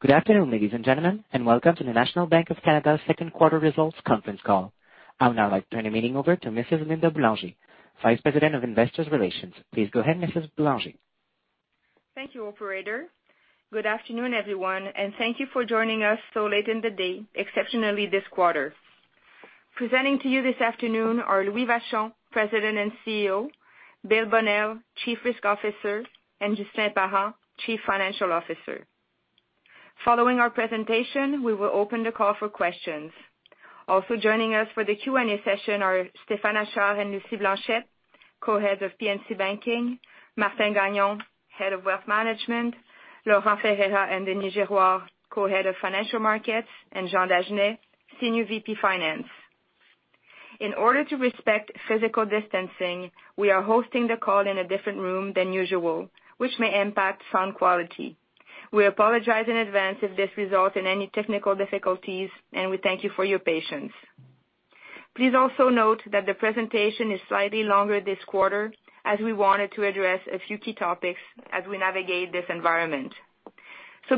Good afternoon, ladies and gentlemen, and welcome to the National Bank of Canada's second quarter results conference call. I'll now like to turn the meeting over to Mrs. Linda Boulanger, Vice President of Investor Relations. Please go ahead, Mrs. Boulanger. Thank you, Operator. Good afternoon, everyone, and thank you for joining us so late in the day, exceptionally this quarter. Presenting to you this afternoon are Louis Vachon, President and CEO, Bill Bonnell, Chief Risk Officer, and Ghislain Parent, Chief Financial Officer. Following our presentation, we will open the call for questions. Also joining us for the Q&A session are Stéphane Achard and Lucie Blanchet, Co-Heads of P&C Banking, Martin Gagnon, Head of Wealth Management, Laurent Ferreira and Denis Girouard, Co-Heads of Financial Markets, and Jean Dagenais, Senior VP Finance. In order to respect physical distancing, we are hosting the call in a different room than usual, which may impact sound quality. We apologize in advance if this results in any technical difficulties, and we thank you for your patience. Please also note that the presentation is slightly longer this quarter, as we wanted to address a few key topics as we navigate this environment.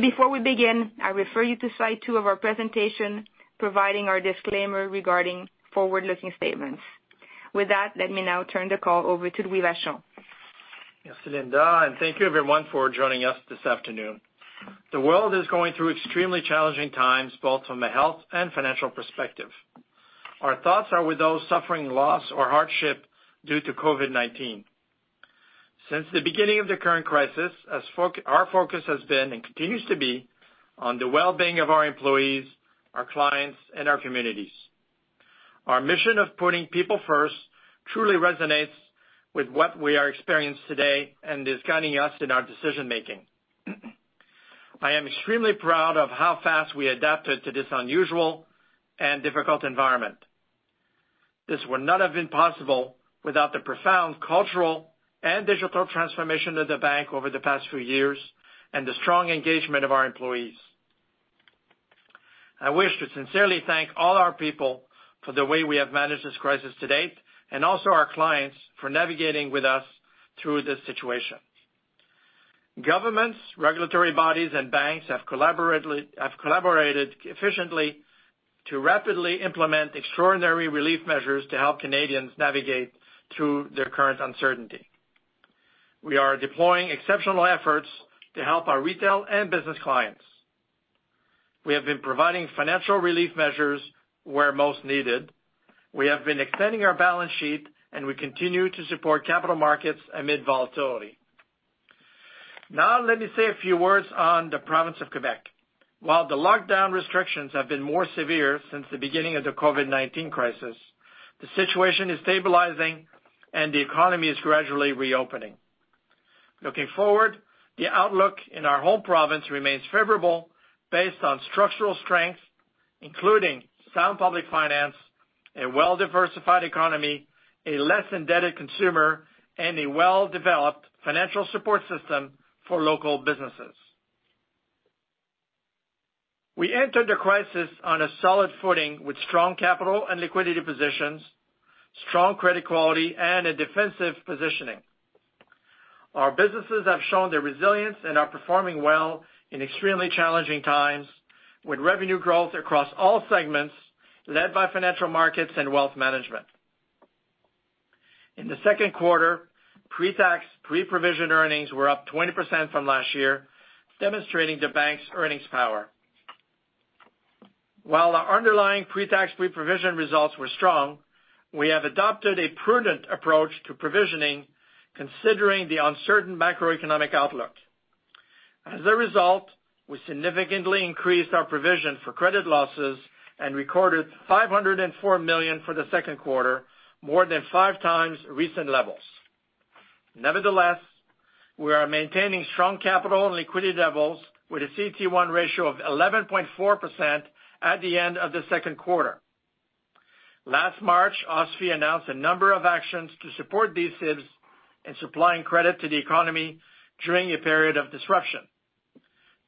Before we begin, I refer you to slide two of our presentation, providing our disclaimer regarding forward-looking statements. With that, let me now turn the call over to Louis Vachon. Merci, Linda, and thank you, everyone, for joining us this afternoon. The world is going through extremely challenging times, both from a health and financial perspective. Our thoughts are with those suffering loss or hardship due to COVID-19. Since the beginning of the current crisis, our focus has been and continues to be on the well-being of our employees, our clients, and our communities. Our mission of putting people first truly resonates with what we are experiencing today and is guiding us in our decision-making. I am extremely proud of how fast we adapted to this unusual and difficult environment. This would not have been possible without the profound cultural and digital transformation of the bank over the past few years and the strong engagement of our employees. I wish to sincerely thank all our people for the way we have managed this crisis to date, and also our clients for navigating with us through this situation. Governments, regulatory bodies, and banks have collaborated efficiently to rapidly implement extraordinary relief measures to help Canadians navigate through their current uncertainty. We are deploying exceptional efforts to help our retail and business clients. We have been providing financial relief measures where most needed. We have been extending our balance sheet, and we continue to support capital markets amid volatility. Now, let me say a few words on the province of Quebec. While the lockdown restrictions have been more severe since the beginning of the COVID-19 crisis, the situation is stabilizing, and the economy is gradually reopening. Looking forward, the outlook in our home province remains favorable based on structural strengths, including sound public finance, a well-diversified economy, a less indebted consumer, and a well-developed financial support system for local businesses. We entered the crisis on a solid footing with strong capital and liquidity positions, strong credit quality, and a defensive positioning. Our businesses have shown their resilience and are performing well in extremely challenging times, with revenue growth across all segments led by Financial Markets and Wealth Management. In the second quarter, pre-tax pre-provision earnings were up 20% from last year, demonstrating the bank's earnings power. While our underlying pre-tax pre-provision results were strong, we have adopted a prudent approach to provisioning, considering the uncertain macroeconomic outlook. As a result, we significantly increased our provision for credit losses and recorded 504 million for the second quarter, more than five times recent levels. Nevertheless, we are maintaining strong capital and liquidity levels, with a CET1 ratio of 11.4% at the end of the second quarter. Last March, OSFI announced a number of actions to support D-SIBs in supplying credit to the economy during a period of disruption.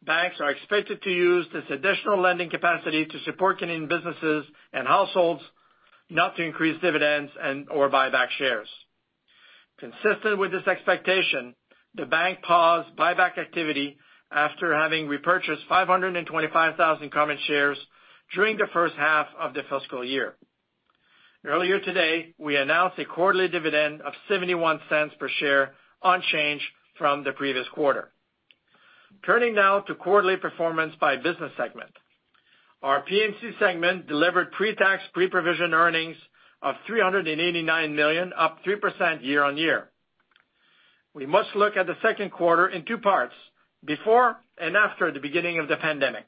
Banks are expected to use this additional lending capacity to support Canadian businesses and households, not to increase dividends and/or buyback shares. Consistent with this expectation, the bank paused buyback activity after having repurchased 525,000 common shares during the first half of the fiscal year. Earlier today, we announced a quarterly dividend of 0.71 per share unchanged from the previous quarter. Turning now to quarterly performance by business segment, our P&C segment delivered pre-tax pre-provision earnings of 389 million, up 3% year-on-year. We must look at the second quarter in two parts: before and after the beginning of the pandemic.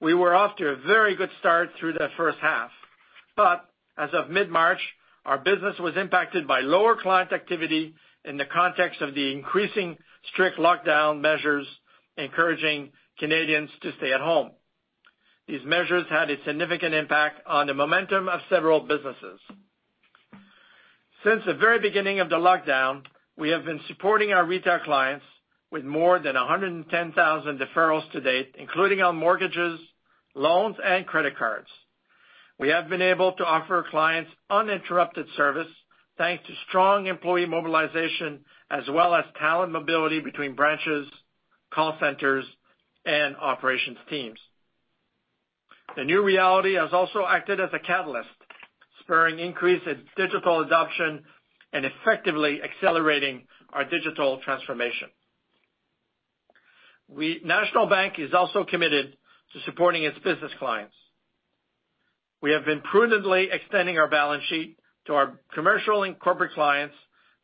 We were off to a very good start through the first half, but as of mid-March, our business was impacted by lower client activity in the context of the increasing strict lockdown measures encouraging Canadians to stay at home. These measures had a significant impact on the momentum of several businesses. Since the very beginning of the lockdown, we have been supporting our retail clients with more than 110,000 deferrals to date, including on mortgages, loans, and credit cards. We have been able to offer clients uninterrupted service thanks to strong employee mobilization as well as talent mobility between branches, call centers, and operations teams. The new reality has also acted as a catalyst, spurring increased digital adoption and effectively accelerating our digital transformation. National Bank is also committed to supporting its business clients. We have been prudently extending our balance sheet to our commercial and corporate clients,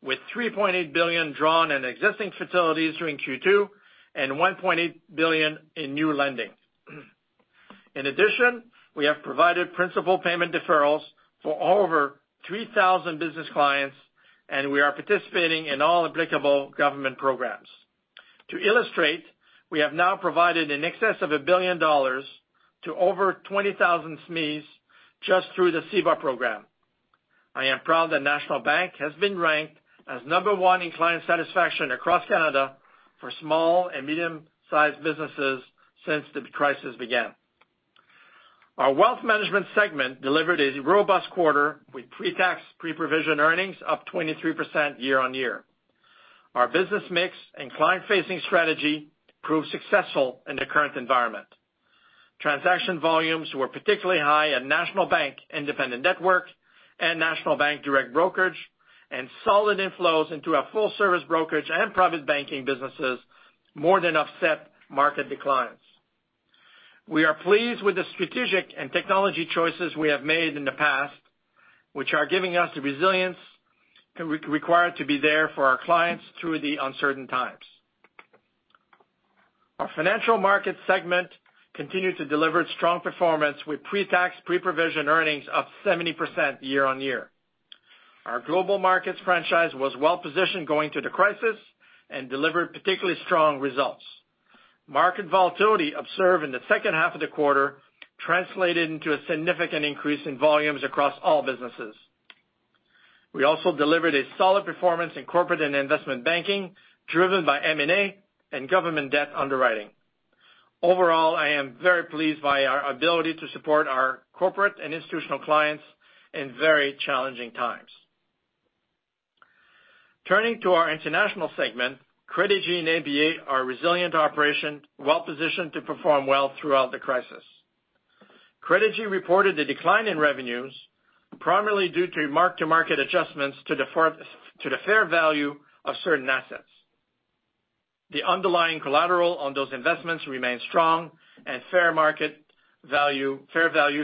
with 3.8 billion drawn in existing facilities during Q2 and 1.8 billion in new lending. In addition, we have provided principal payment deferrals for over 3,000 business clients, and we are participating in all applicable government programs. To illustrate, we have now provided in excess of 1 billion dollars to over 20,000 SMEs just through the CEBA program. I am proud that National Bank has been ranked as number one in client satisfaction across Canada for small and medium-sized businesses since the crisis began. Our Wealth Management segment delivered a robust quarter with pre-tax pre-provision earnings up 23% year-on-year. Our business mix and client-facing strategy proved successful in the current environment. Transaction volumes were particularly high at National Bank Independent Network and National Bank Direct Brokerage, and solid inflows into our full-service brokerage and private banking businesses more than offset market declines. We are pleased with the strategic and technology choices we have made in the past, which are giving us the resilience required to be there for our clients through the uncertain times. Our Financial Markets segment continued to deliver strong performance with pre-tax pre-provision earnings up 70% year-on-year. Our Global Markets franchise was well-positioned going through the crisis and delivered particularly strong results. Market volatility observed in the second half of the quarter translated into a significant increase in volumes across all businesses. We also delivered a solid performance in Corporate and Investment Banking driven by M&A and government debt underwriting. Overall, I am very pleased by our ability to support our corporate and institutional clients in very challenging times. Turning to our International segment, Credigy and ABA Bank are a resilient operation, well-positioned to perform well throughout the crisis. Credigy reported a decline in revenues, primarily due to mark-to-market adjustments to the fair value of certain assets. The underlying collateral on those investments remains strong, and fair value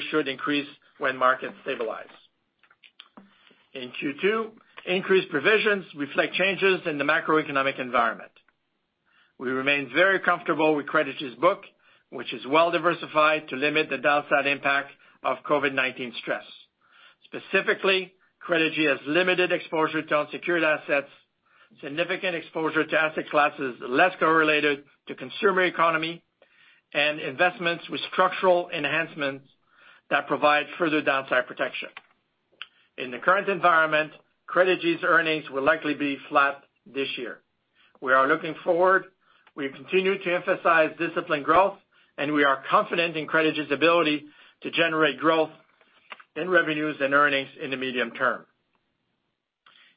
should increase when markets stabilize. In Q2, increased provisions reflect changes in the macroeconomic environment. We remain very comfortable with Credigy's book, which is well-diversified to limit the downside impact of COVID-19 stress. Specifically, Credigy has limited exposure to unsecured assets, significant exposure to asset classes less correlated to the consumer economy, and investments with structural enhancements that provide further downside protection. In the current environment, Credigy's earnings will likely be flat this year. We are looking forward. We continue to emphasize disciplined growth, and we are confident in Credigy's ability to generate growth in revenues and earnings in the medium term.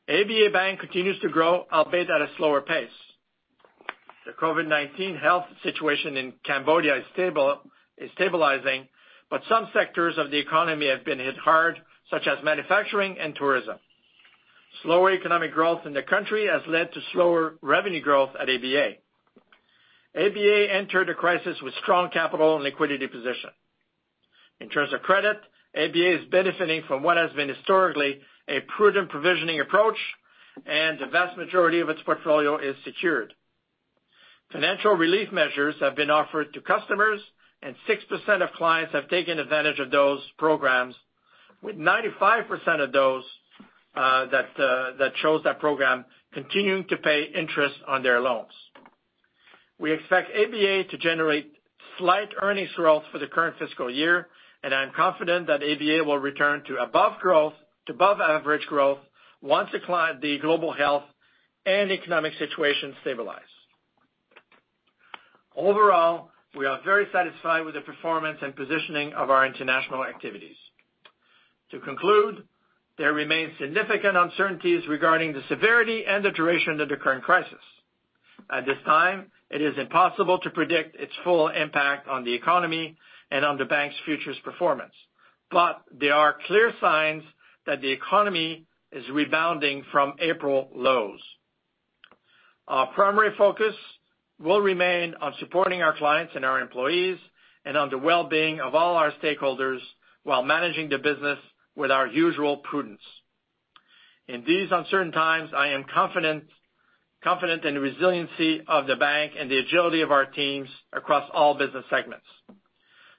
ABA Bank continues to grow, albeit at a slower pace. The COVID-19 health situation in Cambodia is stabilizing, but some sectors of the economy have been hit hard, such as manufacturing and tourism. Slower economic growth in the country has led to slower revenue growth at ABA. ABA entered the crisis with strong capital and liquidity positions. In terms of credit, ABA is benefiting from what has been historically a prudent provisioning approach, and the vast majority of its portfolio is secured. Financial relief measures have been offered to customers, and 6% of clients have taken advantage of those programs, with 95% of those that chose that program continuing to pay interest on their loans. We expect ABA to generate slight earnings growth for the current fiscal year, and I'm confident that ABA will return to above growth, to above average growth, once the global health and economic situation stabilize. Overall, we are very satisfied with the performance and positioning of our international activities. To conclude, there remain significant uncertainties regarding the severity and the duration of the current crisis. At this time, it is impossible to predict its full impact on the economy and on the bank's future performance, but there are clear signs that the economy is rebounding from April lows. Our primary focus will remain on supporting our clients and our employees and on the well-being of all our stakeholders while managing the business with our usual prudence. In these uncertain times, I am confident in the resiliency of the bank and the agility of our teams across all business segments.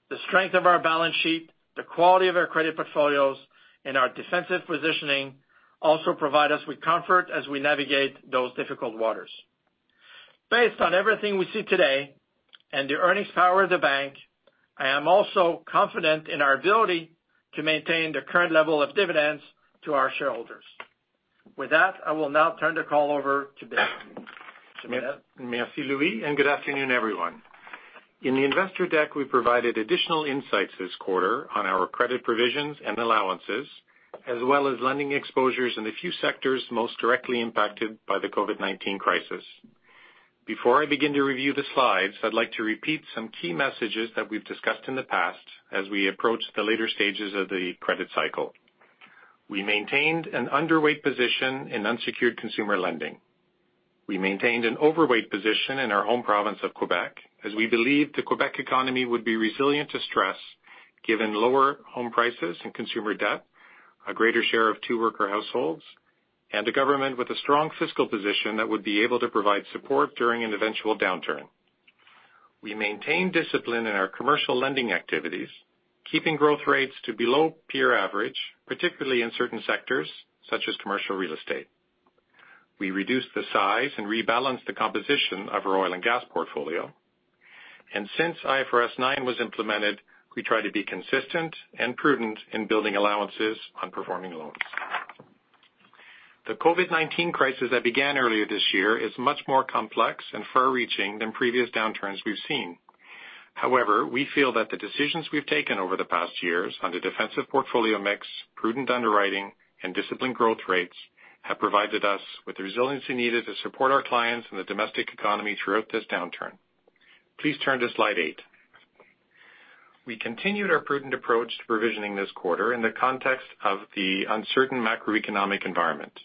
The strength of our balance sheet, the quality of our credit portfolios, and our defensive positioning also provide us with comfort as we navigate those difficult waters. Based on everything we see today and the earnings power of the bank, I am also confident in our ability to maintain the current level of dividends to our shareholders. With that, I will now turn the call over to Bill. Merci, Louis, and good afternoon, everyone. In the investor deck, we provided additional insights this quarter on our credit provisions and allowances, as well as lending exposures in the few sectors most directly impacted by the COVID-19 crisis. Before I begin to review the slides, I'd like to repeat some key messages that we've discussed in the past as we approach the later stages of the credit cycle. We maintained an underweight position in unsecured consumer lending. We maintained an overweight position in our home province of Quebec, as we believed the Quebec economy would be resilient to stress given lower home prices and consumer debt, a greater share of two-worker households, and a government with a strong fiscal position that would be able to provide support during an eventual downturn. We maintained discipline in our commercial lending activities, keeping growth rates to below peer average, particularly in certain sectors such as commercial real estate. We reduced the size and rebalanced the composition of our oil and gas portfolio, and since IFRS 9 was implemented, we tried to be consistent and prudent in building allowances on performing loans. The COVID-19 crisis that began earlier this year is much more complex and far-reaching than previous downturns we've seen. However, we feel that the decisions we've taken over the past years on the defensive portfolio mix, prudent underwriting, and disciplined growth rates have provided us with the resiliency needed to support our clients and the domestic economy throughout this downturn. Please turn to slide 8. We continued our prudent approach to provisioning this quarter in the context of the uncertain macroeconomic environment.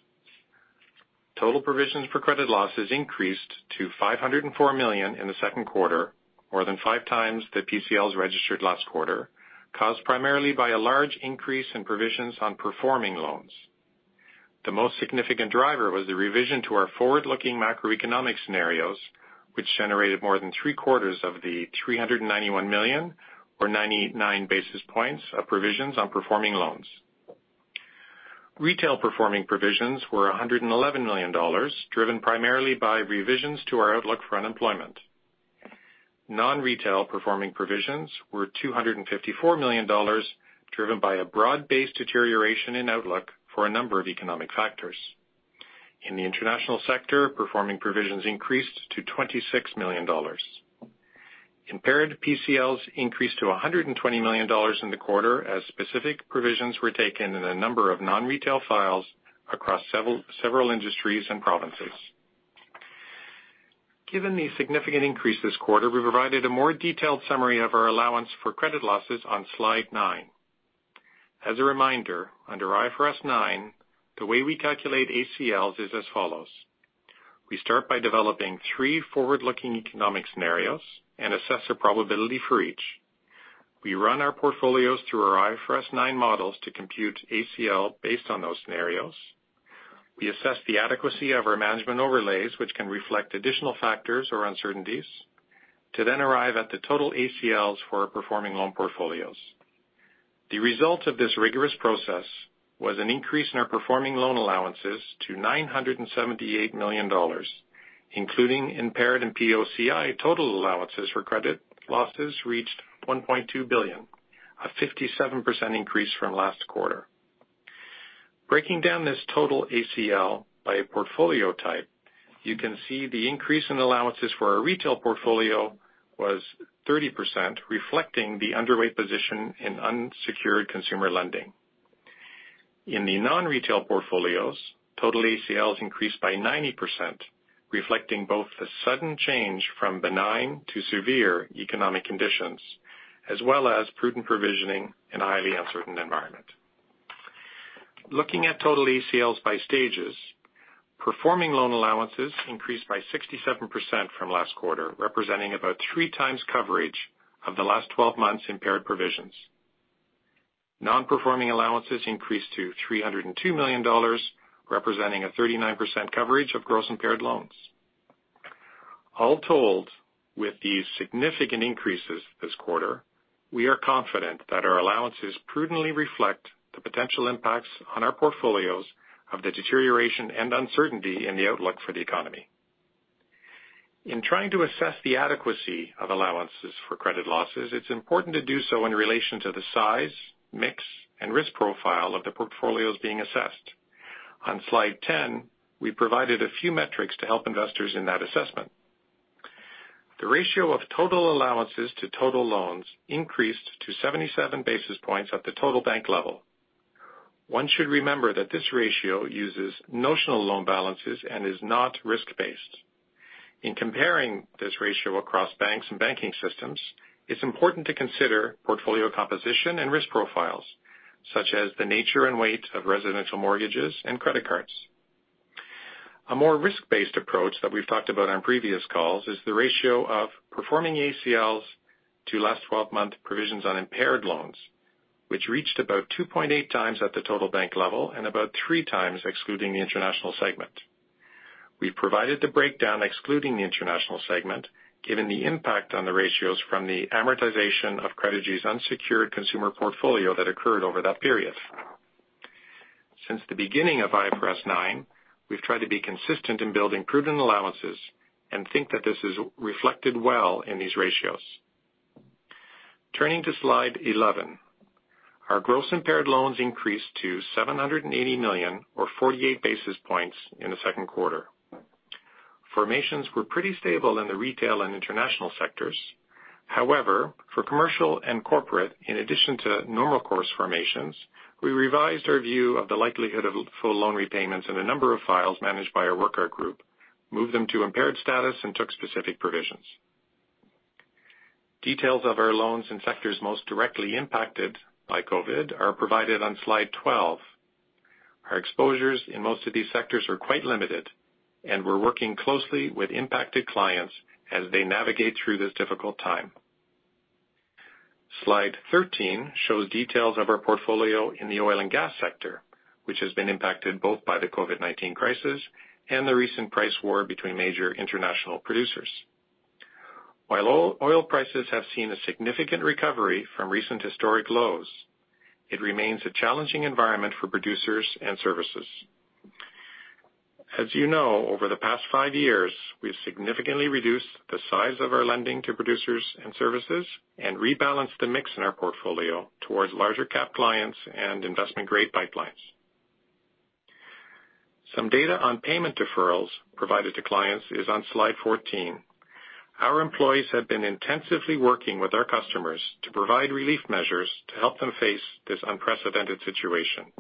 Total provisions for credit losses increased to 504 million in the second quarter, more than five times the PCLs registered last quarter, caused primarily by a large increase in provisions on performing loans. The most significant driver was the revision to our forward-looking macroeconomic scenarios, which generated more than three-quarters of the 391 million, or 99 basis points, of provisions on performing loans. Retail performing provisions were 111 million dollars, driven primarily by revisions to our outlook for unemployment. Non-retail performing provisions were 254 million dollars, driven by a broad-based deterioration in outlook for a number of economic factors. In the International sector, performing provisions increased to 26 million dollars. Impaired PCLs increased to 120 million dollars in the quarter as specific provisions were taken in a number of non-retail files across several industries and provinces. Given the significant increase this quarter, we provided a more detailed summary of our allowance for credit losses on slide 9. As a reminder, under IFRS 9, the way we calculate ACLs is as follows. We start by developing three forward-looking economic scenarios and assess their probability for each. We run our portfolios through our IFRS 9 models to compute ACL based on those scenarios. We assess the adequacy of our management overlays, which can reflect additional factors or uncertainties, to then arrive at the total ACLs for our performing loan portfolios. The result of this rigorous process was an increase in our performing loan allowances to 978 million dollars, including impaired and POCI. Total allowances for credit losses reached 1.2 billion, a 57% increase from last quarter. Breaking down this total ACL by a portfolio type, you can see the increase in allowances for our retail portfolio was 30%, reflecting the underweight position in unsecured consumer lending. In the non-retail portfolios, total ACLs increased by 90%, reflecting both the sudden change from benign to severe economic conditions, as well as prudent provisioning in a highly uncertain environment. Looking at total ACLs by stages, performing loan allowances increased by 67% from last quarter, representing about three times coverage of the last 12 months' impaired provisions. Non-performing allowances increased to 302 million dollars, representing a 39% coverage of gross impaired loans. All told, with these significant increases this quarter, we are confident that our allowances prudently reflect the potential impacts on our portfolios of the deterioration and uncertainty in the outlook for the economy. In trying to assess the adequacy of allowances for credit losses, it's important to do so in relation to the size, mix, and risk profile of the portfolios being assessed. On slide 10, we provided a few metrics to help investors in that assessment. The ratio of total allowances to total loans increased to 77 basis points at the total bank level. One should remember that this ratio uses notional loan balances and is not risk-based. In comparing this ratio across banks and banking systems, it's important to consider portfolio composition and risk profiles, such as the nature and weight of residential mortgages and credit cards. A more risk-based approach that we've talked about on previous calls is the ratio of performing ACLs to last 12-month provisions on impaired loans, which reached about 2.8 times at the total bank level and about 3 times excluding the International segment. We've provided the breakdown excluding the International segment, given the impact on the ratios from the amortization of Credigy's unsecured consumer portfolio that occurred over that period. Since the beginning of IFRS 9, we've tried to be consistent in building prudent allowances and think that this is reflected well in these ratios. Turning to slide 11, our gross impaired loans increased to 780 million, or 48 basis points, in the second quarter. Formations were pretty stable in the Retail and International sectors. However, for commercial and corporate, in addition to normal course formations, we revised our view of the likelihood of full loan repayments in a number of files managed by our workout group, moved them to impaired status, and took specific provisions. Details of our loans in sectors most directly impacted by COVID are provided on slide 12. Our exposures in most of these sectors are quite limited, and we're working closely with impacted clients as they navigate through this difficult time. Slide 13 shows details of our portfolio in the oil and gas sector, which has been impacted both by the COVID-19 crisis and the recent price war between major international producers. While oil prices have seen a significant recovery from recent historic lows, it remains a challenging environment for producers and services. As you know, over the past five years, we've significantly reduced the size of our lending to producers and services and rebalanced the mix in our portfolio towards larger-cap clients and investment-grade pipelines. Some data on payment deferrals provided to clients is on Slide 14. Our employees have been intensively working with our customers to provide relief measures to help them face this unprecedented situation.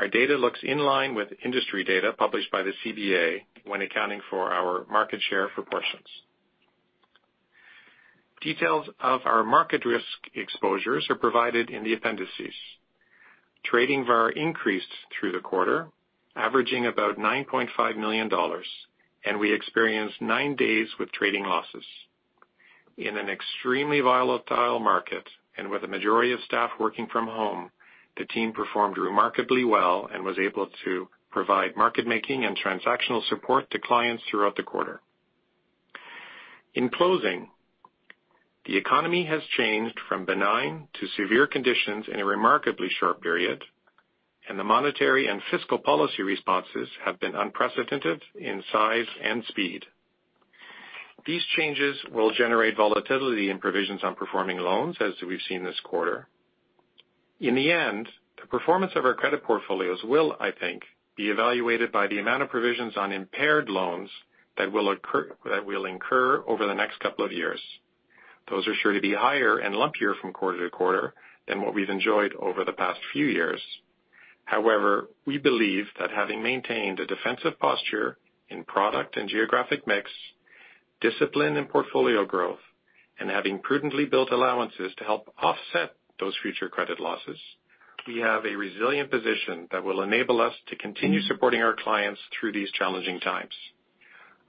Our data looks in line with industry data published by the CBA when accounting for our market share proportions. Details of our market risk exposures are provided in the appendices. Trading VaR increased through the quarter, averaging about 9.5 million dollars, and we experienced nine days with trading losses. In an extremely volatile market and with a majority of staff working from home, the team performed remarkably well and was able to provide market-making and transactional support to clients throughout the quarter. In closing, the economy has changed from benign to severe conditions in a remarkably short period, and the monetary and fiscal policy responses have been unprecedented in size and speed. These changes will generate volatility in provisions on performing loans, as we've seen this quarter. In the end, the performance of our credit portfolios will, I think, be evaluated by the amount of provisions on impaired loans that will incur over the next couple of years. Those are sure to be higher and lumpier from quarter to quarter than what we've enjoyed over the past few years. However, we believe that having maintained a defensive posture in product and geographic mix, discipline in portfolio growth, and having prudently built allowances to help offset those future credit losses, we have a resilient position that will enable us to continue supporting our clients through these challenging times.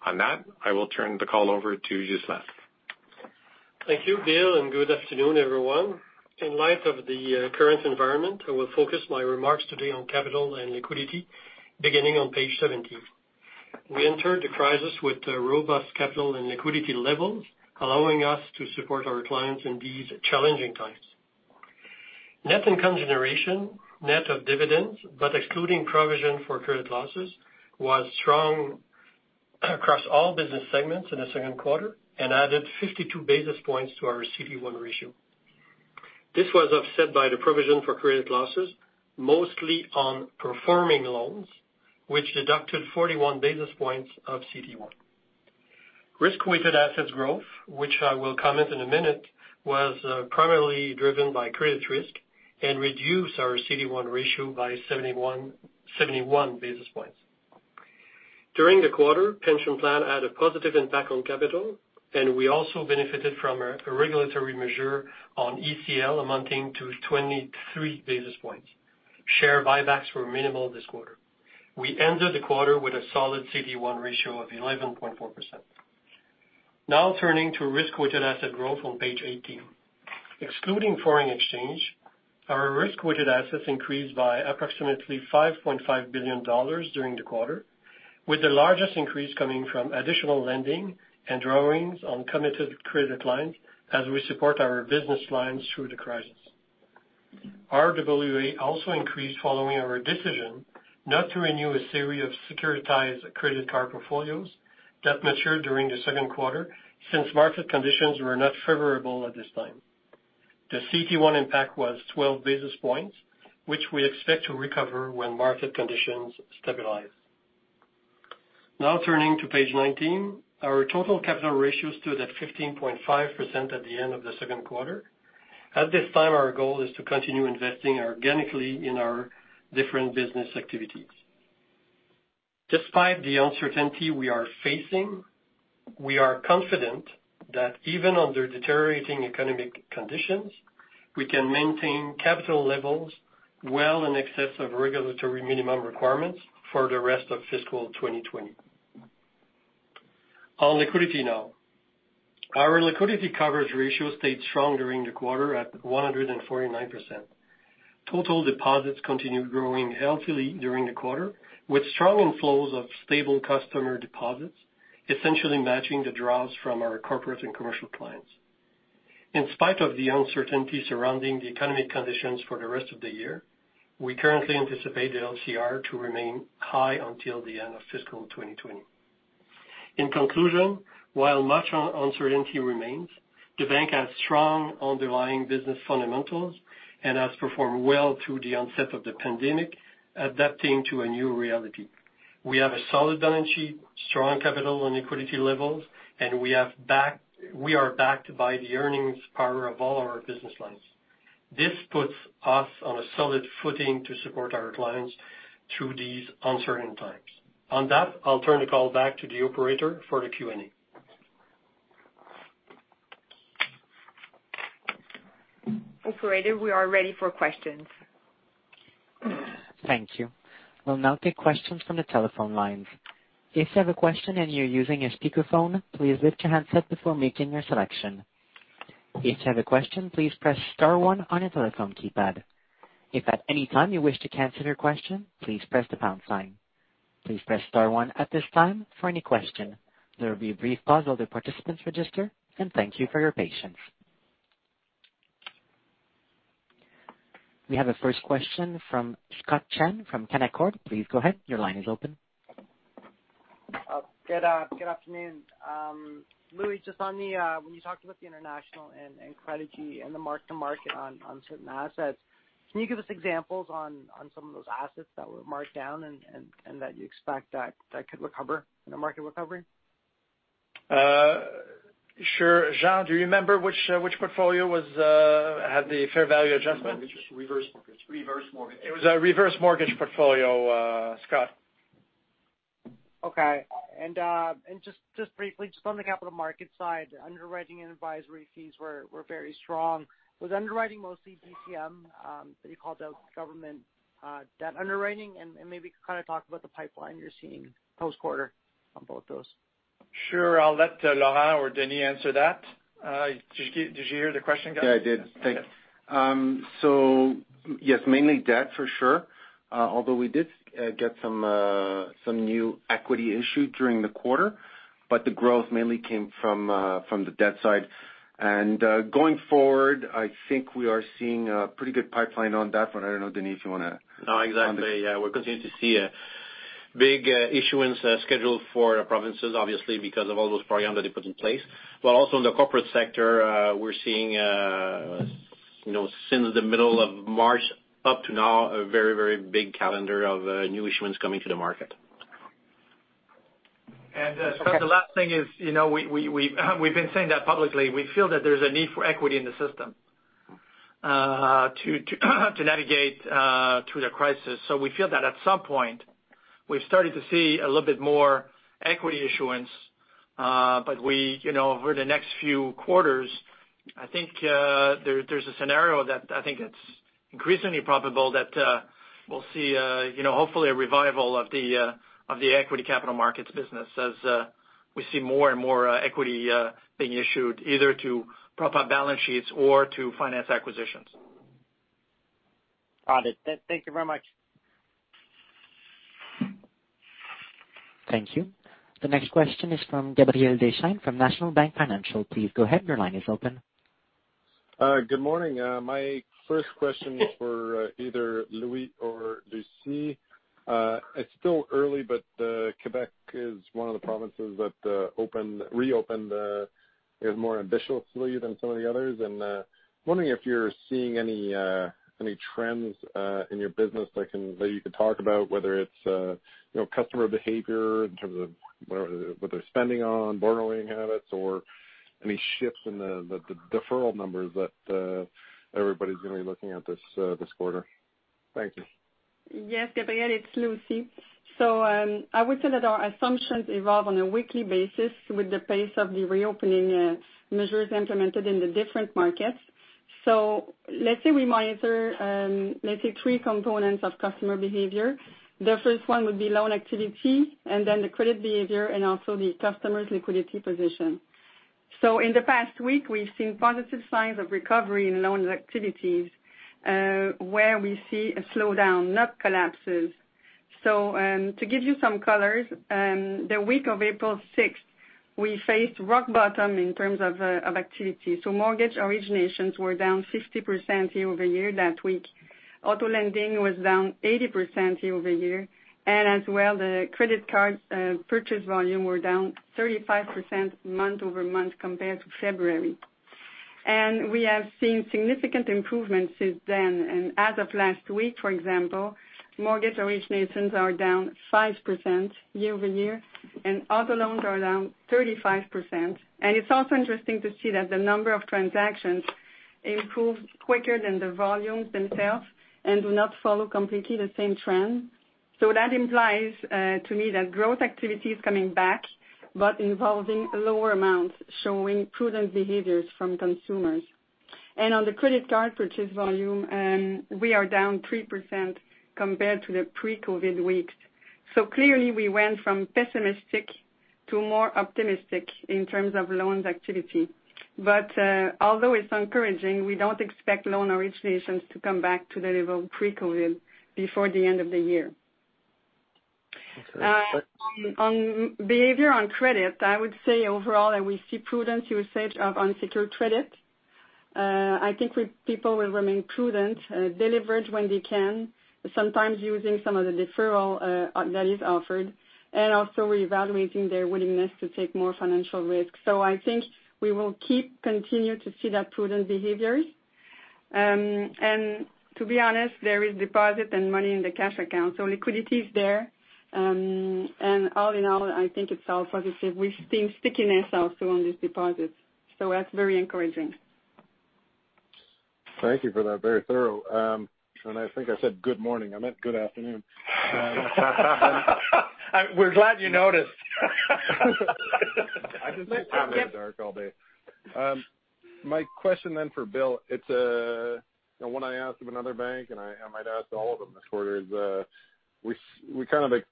On that, I will turn the call over to Ghislain. Thank you, Bill, and good afternoon, everyone. In light of the current environment, I will focus my remarks today on capital and liquidity, beginning on page 17. We entered the crisis with robust capital and liquidity levels, allowing us to support our clients in these challenging times. Net income generation, net of dividends, but excluding provision for credit losses, was strong across all business segments in the second quarter and added 52 basis points to our CET1 ratio. This was offset by the provision for credit losses, mostly on performing loans, which deducted 41 basis points of CET1. Risk-weighted assets growth, which I will comment on in a minute, was primarily driven by credit risk and reduced our CET1 ratio by 71 basis points. During the quarter, Pension Plan had a positive impact on capital, and we also benefited from a regulatory measure on ECL amounting to 23 basis points. Share buybacks were minimal this quarter. We ended the quarter with a solid CET1 ratio of 11.4%. Now turning to risk-weighted asset growth on page 18. Excluding foreign exchange, our risk-weighted assets increased by approximately 5.5 billion dollars during the quarter, with the largest increase coming from additional lending and drawings on committed credit lines as we support our business lines through the crisis. Our RWA also increased following our decision not to renew a series of securitized credit card portfolios that matured during the second quarter since market conditions were not favorable at this time. The CET1 impact was 12 basis points, which we expect to recover when market conditions stabilize. Now turning to page 19, our total capital ratios stood at 15.5% at the end of the second quarter. At this time, our goal is to continue investing organically in our different business activities. Despite the uncertainty we are facing, we are confident that even under deteriorating economic conditions, we can maintain capital levels well in excess of regulatory minimum requirements for the rest of fiscal 2020. On liquidity now. Our liquidity coverage ratio stayed strong during the quarter at 149%. Total deposits continued growing healthily during the quarter, with strong inflows of stable customer deposits, essentially matching the draws from our corporate and commercial clients. In spite of the uncertainty surrounding the economic conditions for the rest of the year, we currently anticipate the LCR to remain high until the end of fiscal 2020. In conclusion, while much uncertainty remains, the bank has strong underlying business fundamentals and has performed well through the onset of the pandemic, adapting to a new reality. We have a solid balance sheet, strong capital and equity levels, and we are backed by the earnings power of all our business lines. This puts us on a solid footing to support our clients through these uncertain times. On that, I'll turn the call back to the operator for the Q&A. Operator, we are ready for questions. Thank you. We'll now take questions from the telephone lines. If you have a question and you're using a speakerphone, please lift your handset before making your selection. If you have a question, please press star one on your telephone keypad. If at any time you wish to cancel your question, please press the pound sign. Please press star one at this time for any question. There will be a brief pause while the participants register, and thank you for your patience. We have a first question from Scott Chan from Canaccord. Please go ahead. Your line is open. Good afternoon. Louis, just on the when you talked about the international and credit and the mark-to-market on certain assets, can you give us examples on some of those assets that were marked down and that you expect that could recover in a market recovery? Sure. Jean, do you remember which portfolio had the fair value adjustment? Reverse mortgage. Reverse mortgage. It was a reverse mortgage portfolio, Scott. Okay, and just briefly, just on the capital markets side, underwriting and advisory fees were very strong. Was underwriting mostly DCM that you called out government debt underwriting? And maybe kind of talk about the pipeline you're seeing post-quarter on both those. Sure. I'll let Laurent or Denis answer that. Did you hear the question, guys? Yeah, I did. Thank you, so yes, mainly debt for sure, although we did get some new equity issued during the quarter, but the growth mainly came from the debt side, and going forward, I think we are seeing a pretty good pipeline on that one. I don't know, Denis, if you want to. No, exactly. Yeah, we're continuing to see a big issuance schedule for provinces, obviously, because of all those programs that they put in place. But also in the corporate sector, we're seeing, since the middle of March up to now, a very, very big calendar of new issuance coming to the market. Scott, the last thing is we've been saying that publicly. We feel that there's a need for equity in the system to navigate through the crisis. We feel that at some point, we've started to see a little bit more equity issuance, but over the next few quarters, I think there's a scenario that I think it's increasingly probable that we'll see, hopefully, a revival of the Equity Capital Markets business as we see more and more equity being issued either to prop up balance sheets or to finance acquisitions. Got it. Thank you very much. Thank you. The next question is from Gabriel Dechaine from National Bank Financial. Please go ahead. Your line is open. Good morning. My first question is for either Louis or Lucie. It's still early, but Quebec is one of the provinces that reopened more ambitiously than some of the others. And I'm wondering if you're seeing any trends in your business that you could talk about, whether it's customer behavior in terms of what they're spending on, borrowing habits, or any shifts in the deferral numbers that everybody's going to be looking at this quarter. Thank you. Yes, Gabriel, it's Lucie. So, I would say that our assumptions evolve on a weekly basis with the pace of the reopening measures implemented in the different markets. So, let's say we monitor, let's say, three components of customer behavior. The first one would be loan activity, and then the credit behavior, and also the customer's liquidity position. So, in the past week, we've seen positive signs of recovery in loan activities, where we see a slowdown, not collapses. So, to give you some colors, the week of April 6th, we faced rock bottom in terms of activity. So, mortgage originations were down 50% year-over-year that week. Auto lending was down 80% year-over-year. And as well, the credit card purchase volume were down 35% month over month compared to February. And we have seen significant improvements since then. And as of last week, for example, mortgage originations are down 5% year-over-year, and auto loans are down 35%. And it's also interesting to see that the number of transactions improves quicker than the volumes themselves and do not follow completely the same trend. So that implies to me that growth activity is coming back, but involving lower amounts, showing prudent behaviors from consumers. And on the credit card purchase volume, we are down 3% compared to the pre-COVID weeks. So clearly, we went from pessimistic to more optimistic in terms of loans activity. But although it's encouraging, we don't expect loan originations to come back to the level pre-COVID before the end of the year. On behavior on credit, I would say overall that we see prudent usage of unsecured credit. I think people will remain prudent, deliberate when they can, sometimes using some of the deferral that is offered, and also reevaluating their willingness to take more financial risk. So I think we will continue to see that prudent behaviors. And to be honest, there is deposit and money in the cash account. So liquidity is there. And all in all, I think it's all positive. We've seen stickiness also on these deposits. So that's very encouraging. Thank you for that. Very thorough, and I think I said good morning. I meant good afternoon. We're glad you noticed. I just like time to be dark all day. My question then for Bill, it's one I asked of another bank, and I might ask all of them this quarter. We kind of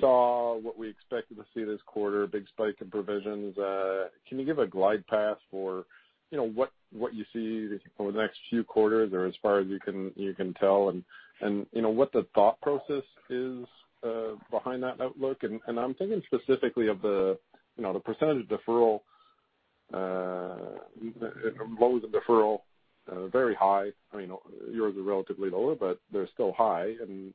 saw what we expected to see this quarter, big spike in provisions. Can you give a glide path for what you see over the next few quarters, or as far as you can tell, and what the thought process is behind that outlook? And I'm thinking specifically of the percentage of deferral, levels of deferral, very high. I mean, yours are relatively lower, but they're still high. And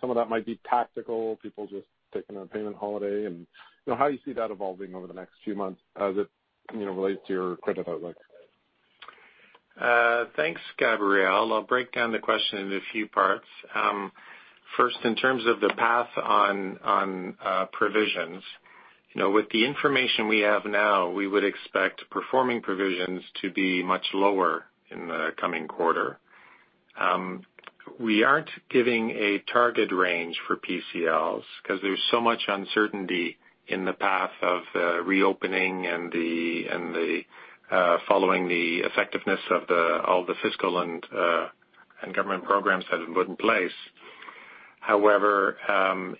some of that might be tactical, people just taking a payment holiday. And how do you see that evolving over the next few months as it relates to your credit outlook? Thanks, Gabriel. I'll break down the question in a few parts. First, in terms of the path on provisions, with the information we have now, we would expect performing provisions to be much lower in the coming quarter. We aren't giving a target range for PCLs because there's so much uncertainty in the path of reopening and following the effectiveness of all the fiscal and government programs that have been put in place. However,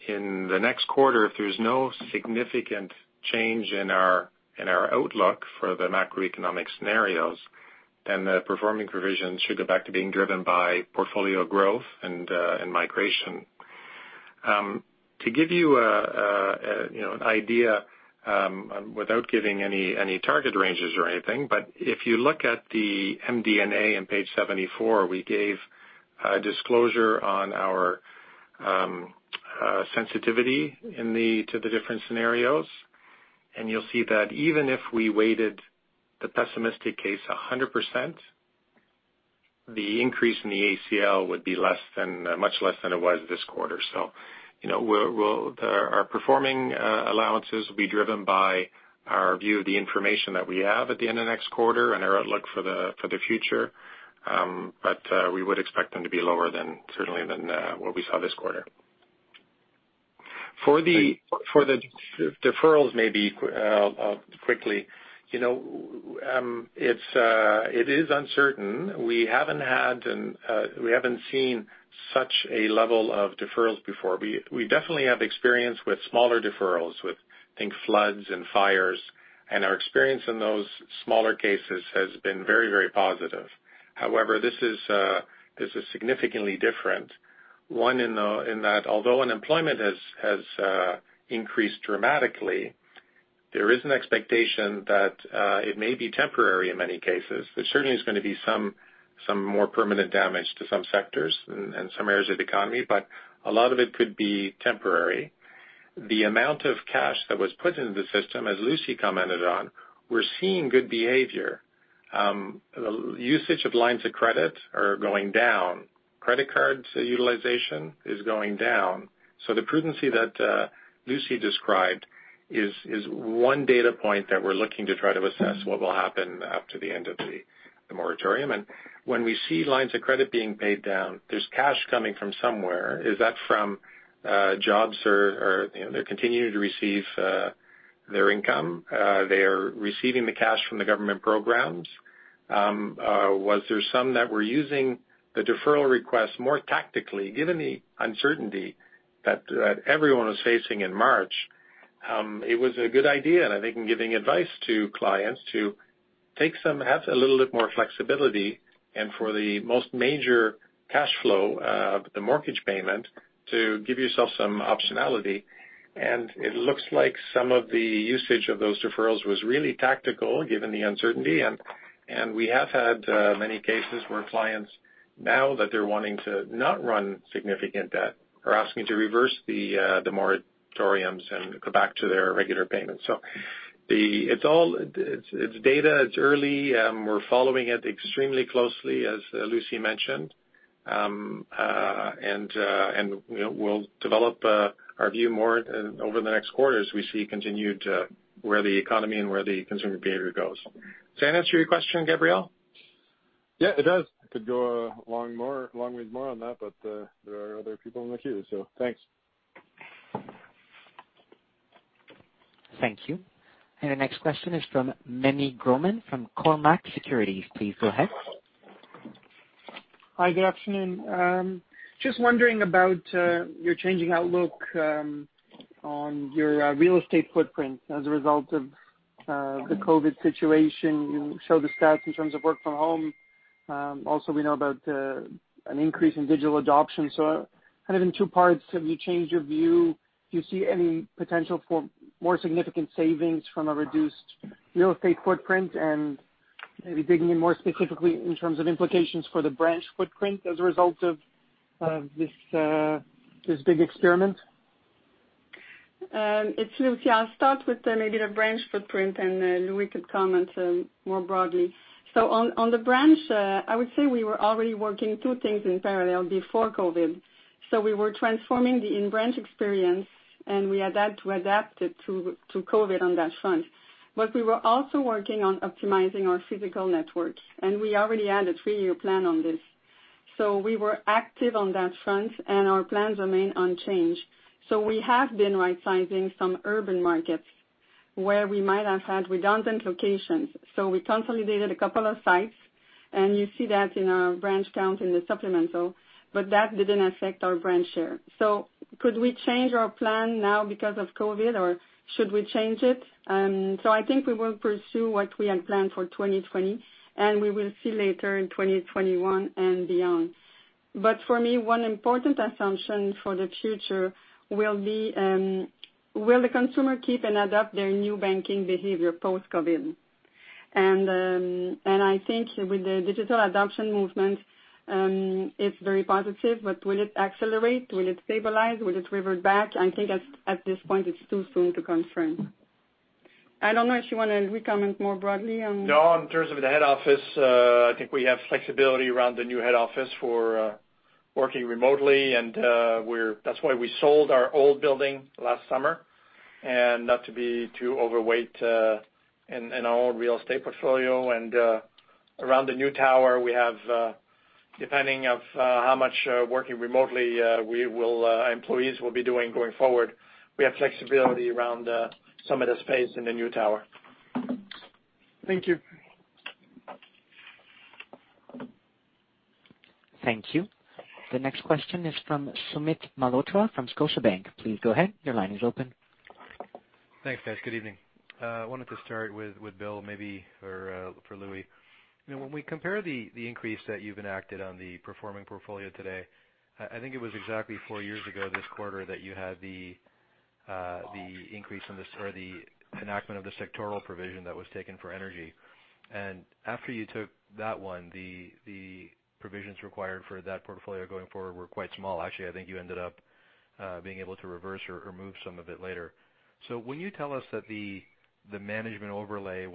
in the next quarter, if there's no significant change in our outlook for the macroeconomic scenarios, then the performing provisions should go back to being driven by portfolio growth and migration. To give you an idea without giving any target ranges or anything, but if you look at the MD&A on page 74, we gave a disclosure on our sensitivity to the different scenarios. You'll see that even if we weighted the pessimistic case 100%, the increase in the ACL would be much less than it was this quarter. Our performing allowances will be driven by our view of the information that we have at the end of next quarter and our outlook for the future. We would expect them to be lower than certainly than what we saw this quarter. For the deferrals, maybe quickly, it is uncertain. We haven't had and we haven't seen such a level of deferrals before. We definitely have experience with smaller deferrals, with, I think, floods and fires. And our experience in those smaller cases has been very, very positive. However, this is significantly different. One, in that although unemployment has increased dramatically, there is an expectation that it may be temporary in many cases. There certainly is going to be some more permanent damage to some sectors and some areas of the economy, but a lot of it could be temporary. The amount of cash that was put into the system, as Lucie commented on, we're seeing good behavior. Usage of lines of credit are going down. Credit card utilization is going down. So the prudence that Lucie described is one data point that we're looking to try to assess what will happen after the end of the moratorium. And when we see lines of credit being paid down, there's cash coming from somewhere. Is that from jobs or they're continuing to receive their income? They are receiving the cash from the government programs. Was there some that were using the deferral request more tactically, given the uncertainty that everyone was facing in March? It was a good idea, and I think in giving advice to clients to have a little bit more flexibility and for the most major cash flow, the mortgage payment, to give yourself some optionality. And it looks like some of the usage of those deferrals was really tactical, given the uncertainty. And we have had many cases where clients now that they're wanting to not run significant debt are asking to reverse the moratoriums and go back to their regular payments. So it's data, it's early. We're following it extremely closely, as Lucie mentioned. And we'll develop our view more over the next quarter as we see continued where the economy and where the consumer behavior goes. Does that answer your question, Gabriel? Yeah, it does. I could go a long ways more on that, but there are other people in the queue. So thanks. Thank you. And the next question is from Meny Grauman from Cormark Securities. Please go ahead. Hi, good afternoon. Just wondering about your changing outlook on your real estate footprint as a result of the COVID situation. You showed the stats in terms of work from home. Also, we know about an increase in digital adoption. So kind of in two parts, have you changed your view? Do you see any potential for more significant savings from a reduced real estate footprint? And maybe digging in more specifically in terms of implications for the branch footprint as a result of this big experiment? I'll start with maybe the branch footprint, and Louis could comment more broadly, so on the branch, I would say we were already working two things in parallel before COVID, so we were transforming the in-branch experience, and we had that to adapt it to COVID on that front, but we were also working on optimizing our physical network, and we already had a three-year plan on this, so we were active on that front, and our plans remain unchanged, so we have been right-sizing some urban markets where we might have had redundant locations, so we consolidated a couple of sites, and you see that in our branch count in the supplemental, but that didn't affect our branch share, so could we change our plan now because of COVID, or should we change it? So I think we will pursue what we had planned for 2020, and we will see later in 2021 and beyond. But for me, one important assumption for the future will be, will the consumer keep and adopt their new banking behavior post-COVID? And I think with the digital adoption movement, it's very positive, but will it accelerate? Will it stabilize? Will it revert back? I think at this point, it's too soon to confirm. I don't know if you want to comment more broadly on. No, in terms of the head office, I think we have flexibility around the new head office for working remotely. And that's why we sold our old building last summer, and not to be too overweight in our own real estate portfolio. And around the new tower, depending on how much working remotely employees will be doing going forward, we have flexibility around some of the space in the new tower. Thank you. Thank you. The next question is from Sumit Malhotra from Scotiabank. Please go ahead. Your line is open. Thanks, guys. Good evening. I wanted to start with Bill, maybe for Louis. When we compare the increase that you've enacted on the performing portfolio today, I think it was exactly four years ago this quarter that you had the increase or the enactment of the sectoral provision that was taken for energy, and after you took that one, the provisions required for that portfolio going forward were quite small. Actually, I think you ended up being able to reverse or move some of it later, so when you tell us that the management overlay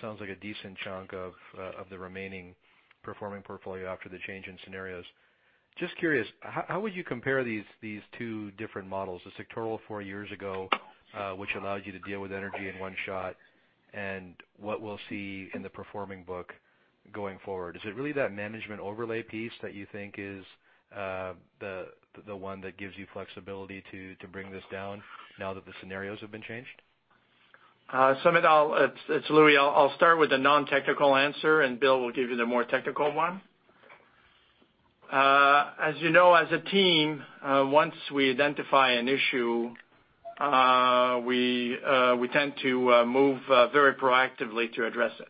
sounds like a decent chunk of the remaining performing portfolio after the change in scenarios, just curious, how would you compare these two different models, the sectoral four years ago, which allowed you to deal with energy in one shot, and what we'll see in the performing book going forward? Is it really that management overlay piece that you think is the one that gives you flexibility to bring this down now that the scenarios have been changed? Sumit, it's Louis. I'll start with a non-technical answer, and Bill will give you the more technical one. As you know, as a team, once we identify an issue, we tend to move very proactively to address it.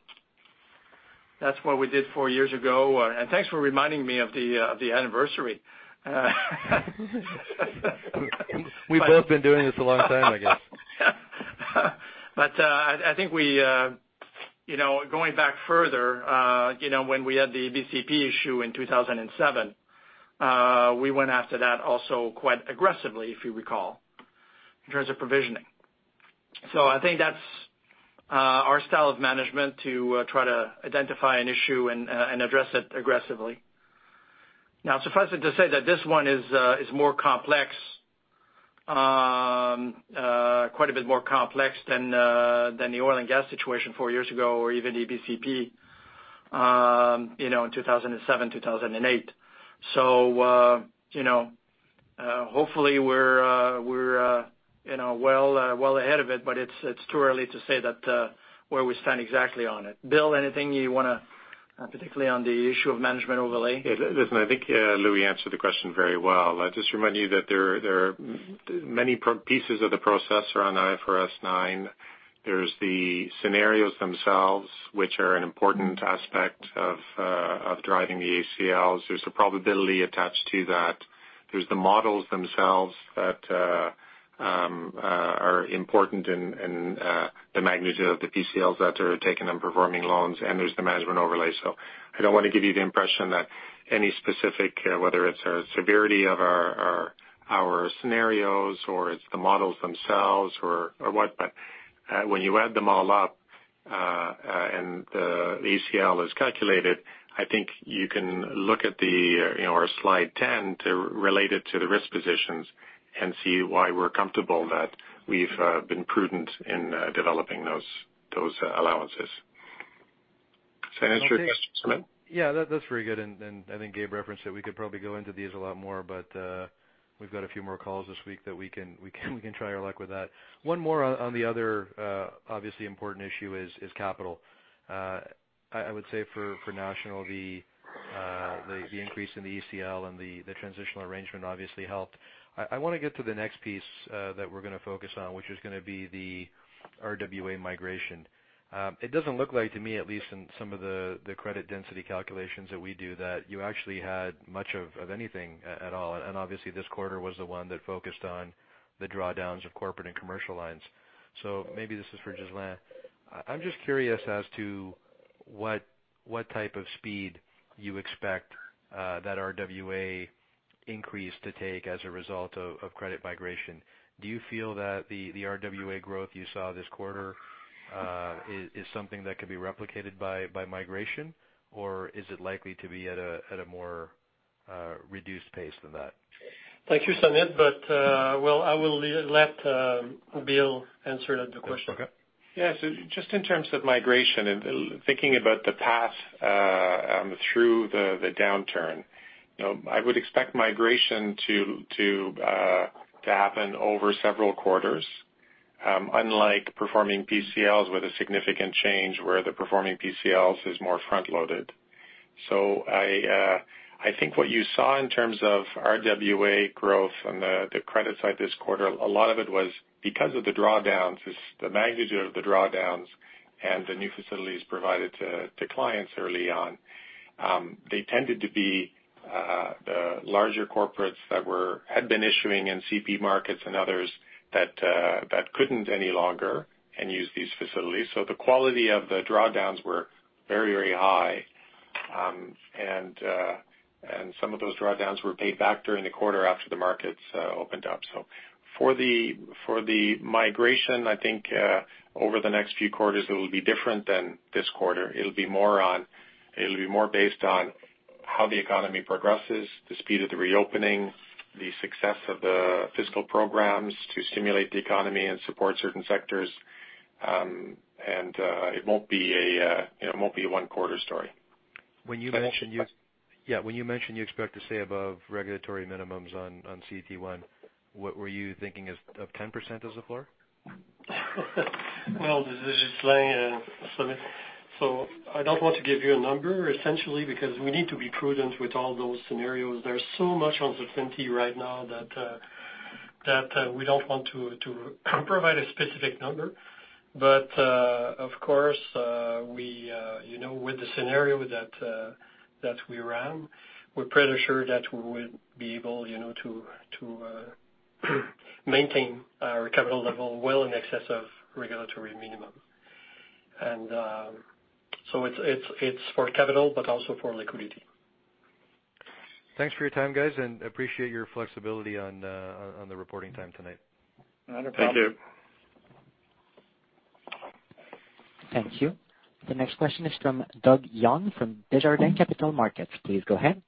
That's what we did four years ago. And thanks for reminding me of the anniversary. We've both been doing this a long time, I guess. But I think going back further, when we had the ABCP issue in 2007, we went after that also quite aggressively, if you recall, in terms of provisioning. So I think that's our style of management to try to identify an issue and address it aggressively. Now, suffice it to say that this one is more complex, quite a bit more complex than the oil and gas situation four years ago or even ABCP in 2007, 2008. So hopefully, we're well ahead of it, but it's too early to say where we stand exactly on it. Bill, anything you want to, particularly on the issue of management overlay? Listen, I think Louis answered the question very well. I just remind you that there are many pieces of the process around IFRS 9. There's the scenarios themselves, which are an important aspect of driving the ACLs. There's a probability attached to that. There's the models themselves that are important in the magnitude of the PCLs that are taken on performing loans. And there's the management overlay. So I don't want to give you the impression that any specific, whether it's our severity of our scenarios or it's the models themselves or what, but when you add them all up and the ACL is calculated, I think you can look at our slide 10 to relate it to the risk positions and see why we're comfortable that we've been prudent in developing those allowances. Does that answer your question, Sumit? Yeah, that's very good, and I think Gabe referenced that we could probably go into these a lot more, but we've got a few more calls this week that we can try our luck with that. One more on the other, obviously important issue is capital. I would say for National, the increase in the ECL and the transitional arrangement obviously helped. I want to get to the next piece that we're going to focus on, which is going to be the RWA migration. It doesn't look like to me, at least in some of the credit density calculations that we do, that you actually had much of anything at all. And obviously, this quarter was the one that focused on the drawdowns of corporate and commercial lines, so maybe this is for Ghislain. I'm just curious as to what type of speed you expect that RWA increase to take as a result of credit migration? Do you feel that the RWA growth you saw this quarter is something that could be replicated by migration, or is it likely to be at a more reduced pace than that? Thank you, Sumit. But well, I will let Bill answer the question. Okay. Yeah. So just in terms of migration and thinking about the path through the downturn, I would expect migration to happen over several quarters, unlike performing PCLs with a significant change where the performing PCLs is more front-loaded. So I think what you saw in terms of RWA growth on the credit side this quarter, a lot of it was because of the drawdowns, the magnitude of the drawdowns and the new facilities provided to clients early on. They tended to be the larger corporates that had been issuing in CP markets and others that couldn't any longer and used these facilities. So the quality of the drawdowns were very, very high. And some of those drawdowns were paid back during the quarter after the markets opened up. So for the migration, I think over the next few quarters, it will be different than this quarter. It'll be more based on how the economy progresses, the speed of the reopening, the success of the fiscal programs to stimulate the economy and support certain sectors, and it won't be a one-quarter story. When you mentioned you expect to stay above regulatory minimums on CET1, were you thinking of 10% as a floor? This is Ghislain, Sumit. I don't want to give you a number, essentially, because we need to be prudent with all those scenarios. There's so much uncertainty right now that we don't want to provide a specific number. But of course, with the scenario that we ran, we're pretty sure that we would be able to maintain our capital level well in excess of regulatory minimum. It's for capital, but also for liquidity. Thanks for your time, guys, and appreciate your flexibility on the reporting time tonight. Not a problem. Thank you. Thank you. The next question is from Doug Young from Desjardins Capital Markets. Please go ahead.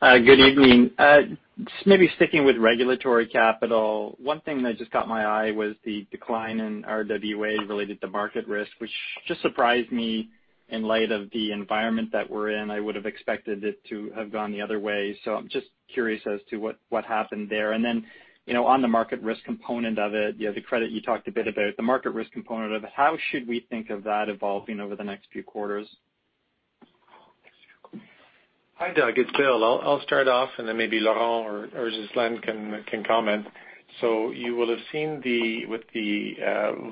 Good evening. Just maybe sticking with regulatory capital, one thing that just caught my eye was the decline in RWA related to market risk, which just surprised me in light of the environment that we're in. I would have expected it to have gone the other way. So I'm just curious as to what happened there. And then on the market risk component of it, the credit you talked a bit about, the market risk component of it, how should we think of that evolving over the next few quarters? Hi, Doug. It's Bill. I'll start off, and then maybe Laurent or Ghislain can comment. So you will have seen with the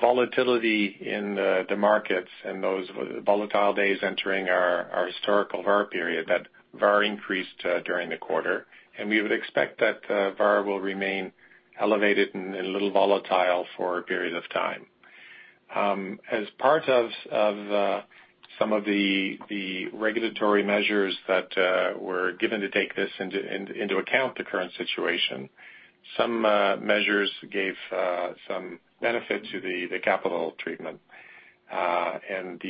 volatility in the markets and those volatile days entering our historical VaR period that VaR increased during the quarter. And we would expect that VaR will remain elevated and a little volatile for a period of time. As part of some of the regulatory measures that were given to take this into account, the current situation, some measures gave some benefit to the capital treatment. And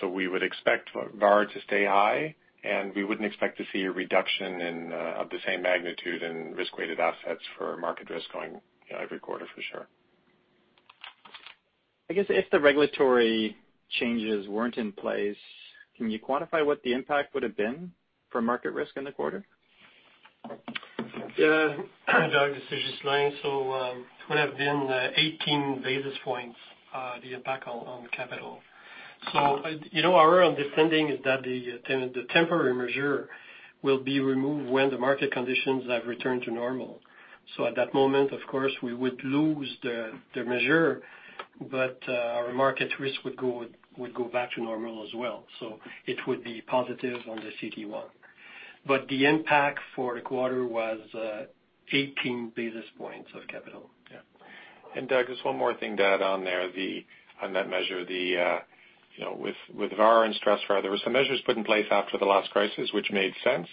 so we would expect VaR to stay high, and we wouldn't expect to see a reduction of the same magnitude in risk-weighted assets for market risk going every quarter for sure. I guess if the regulatory changes weren't in place, can you quantify what the impact would have been for market risk in the quarter? Yeah. Doug, this is Ghislain. So it would have been 18 basis points, the impact on capital. So our understanding is that the temporary measure will be removed when the market conditions have returned to normal. So at that moment, of course, we would lose the measure, but our market risk would go back to normal as well. So it would be positive on the CET1. But the impact for the quarter was 18 basis points of capital. Yeah. And Doug, just one more thing to add on there on that measure. With VaR and Stressed VaR, there were some measures put in place after the last crisis, which made sense.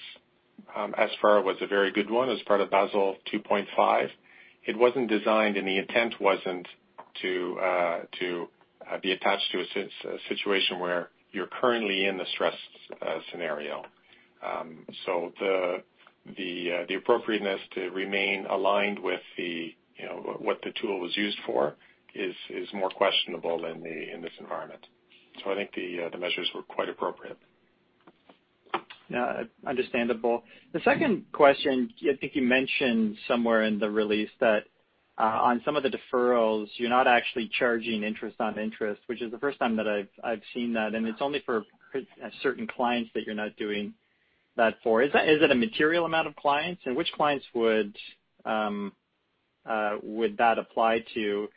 SVaR was a very good one as part of Basel 2.5. It wasn't designed, and the intent wasn't to be attached to a situation where you're currently in the stress scenario. So the appropriateness to remain aligned with what the tool was used for is more questionable in this environment. So I think the measures were quite appropriate. Yeah. Understandable. The second question, I think you mentioned somewhere in the release that on some of the deferrals, you're not actually charging interest on interest, which is the first time that I've seen that. And it's only for certain clients that you're not doing that for. Is that a material amount of clients? And which clients would that apply to?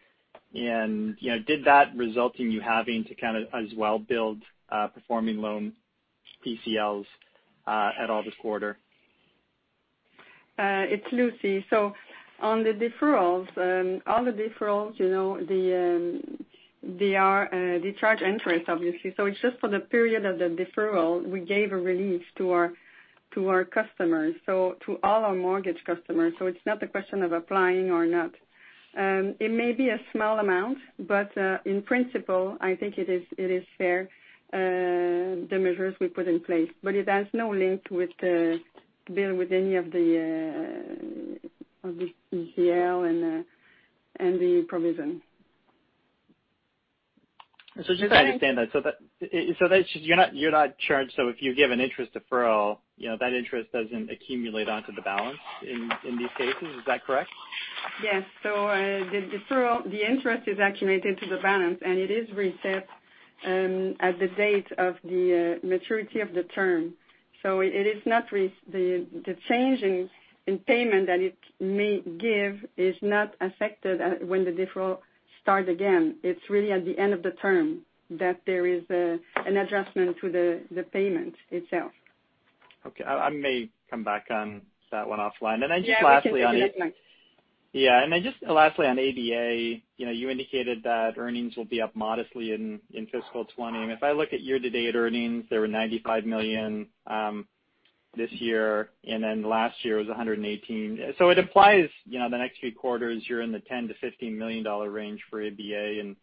And did that result in you having to kind of as well build performing loan PCLs at all this quarter? It's Lucie. So on the deferrals, all the deferrals, they charge interest, obviously. So it's just for the period of the deferral, we gave a relief to our customers, to all our mortgage customers. So it's not the question of applying or not. It may be a small amount, but in principle, I think it is fair, the measures we put in place. But it has no link with PCL, with any of the PCL and the provision. So just to understand that, you're not charged. So if you give an interest deferral, that interest doesn't accumulate onto the balance in these cases. Is that correct? Yes. So the interest is accumulated to the balance, and it is reset at the date of the maturity of the term. So it is not the change in payment that it may give is not affected when the deferral starts again. It's really at the end of the term that there is an adjustment to the payment itself. Okay. I may come back on that one offline. And then just lastly on. Yes, please. Yeah. And then just lastly on ABA, you indicated that earnings will be up modestly in FY 2020. And if I look at year-to-date earnings, they were 95 million this year, and then last year was 118 million. So it implies the next few quarters, you're in the 10 million-15 million dollar range for ABA. And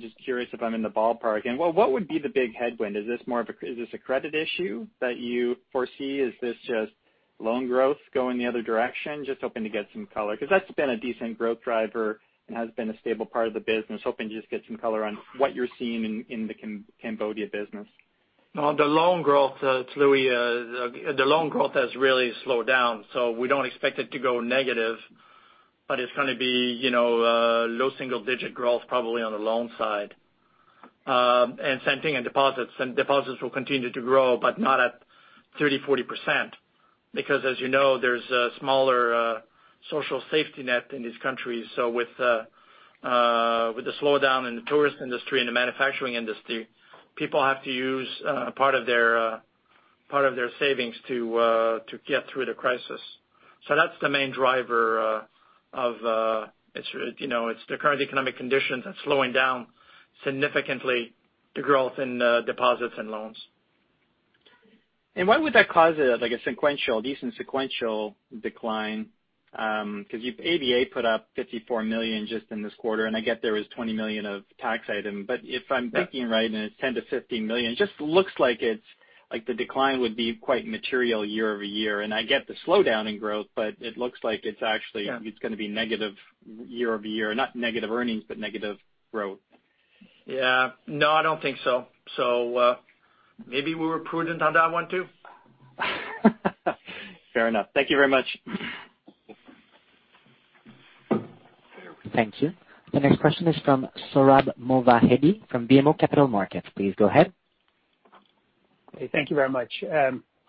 just curious if I'm in the ballpark. And what would be the big headwind? Is this more of a credit issue that you foresee? Is this just loan growth going the other direction? Just hoping to get some color. Because that's been a decent growth driver and has been a stable part of the business. Hoping to just get some color on what you're seeing in the Cambodia business. No, the loan growth. It's Louis. The loan growth has really slowed down, so we don't expect it to go negative, but it's going to be low single-digit growth probably on the loan side, and same thing in deposits, and deposits will continue to grow, but not at 30%-40%. Because as you know, there's a smaller social safety net in these countries, so with the slowdown in the tourist industry and the manufacturing industry, people have to use part of their savings to get through the crisis, so that's the main driver. It's the current economic conditions that's slowing down significantly the growth in deposits and loans. Why would that cause a decent sequential decline? Because ABA put up 54 million just in this quarter, and I get there was 20 million of tax item. But if I'm thinking right, and it's 10 million-15 million, it just looks like the decline would be quite material year-over-year. And I get the slowdown in growth, but it looks like it's actually going to be negative year-over-year. Not negative earnings, but negative growth. Yeah. No, I don't think so. So maybe we were prudent on that one too. Fair enough. Thank you very much. Thank you. The next question is from Sohrab Movahedi from BMO Capital Markets. Please go ahead. Thank you very much.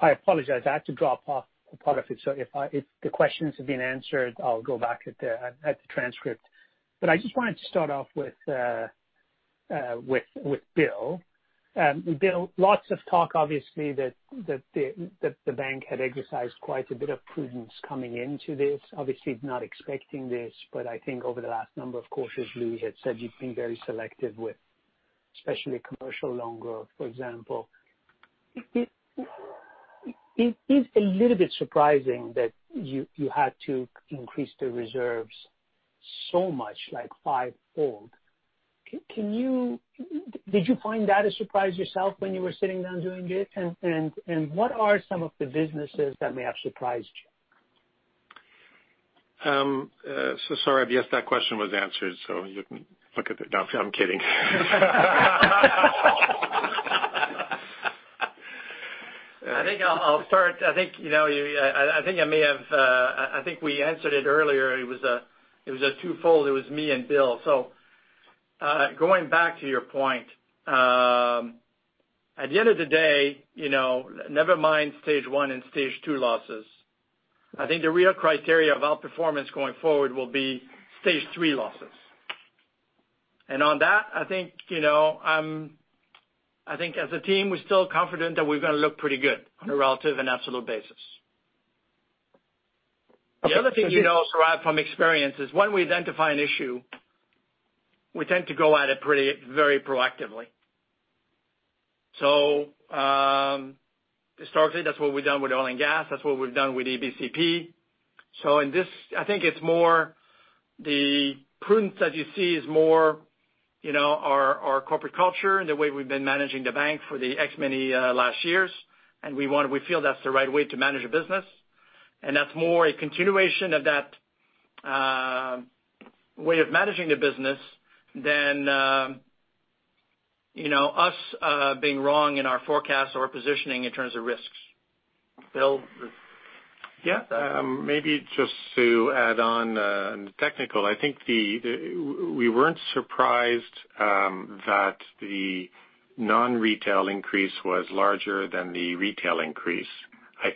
I apologize. I had to drop off a part of it. So if the questions have been answered, I'll go back at the transcript. But I just wanted to start off with Bill. Bill, lots of talk, obviously, that the bank had exercised quite a bit of prudence coming into this. Obviously, not expecting this, but I think over the last number of quarters, Louis had said you've been very selective with especially commercial loan growth, for example. It is a little bit surprising that you had to increase the reserves so much, like fivefold. Did you find that a surprise yourself when you were sitting down doing it? And what are some of the businesses that may have surprised you? So sorry, I guess that question was answered, so you can look at it. No, I'm kidding. I think I'll start. I think we answered it earlier. It was twofold. It was me and Bill. So going back to your point, at the end of the day, never mind Stage 1 and Stage 2 losses. I think the real criteria of our performance going forward will be Stage 3 losses. And on that, I think as a team, we're still confident that we're going to look pretty good on a relative and absolute basis. The other thing you know from experience is when we identify an issue, we tend to go at it very proactively. So historically, that's what we've done with oil and gas. That's what we've done with ABCP. So I think it's more the prudence that you see is more our corporate culture and the way we've been managing the bank for the so many last years. We feel that's the right way to manage a business. That's more a continuation of that way of managing the business than us being wrong in our forecast or positioning in terms of risks. Bill? Yeah. Maybe just to add on the technical. I think we weren't surprised that the non-retail increase was larger than the retail increase. And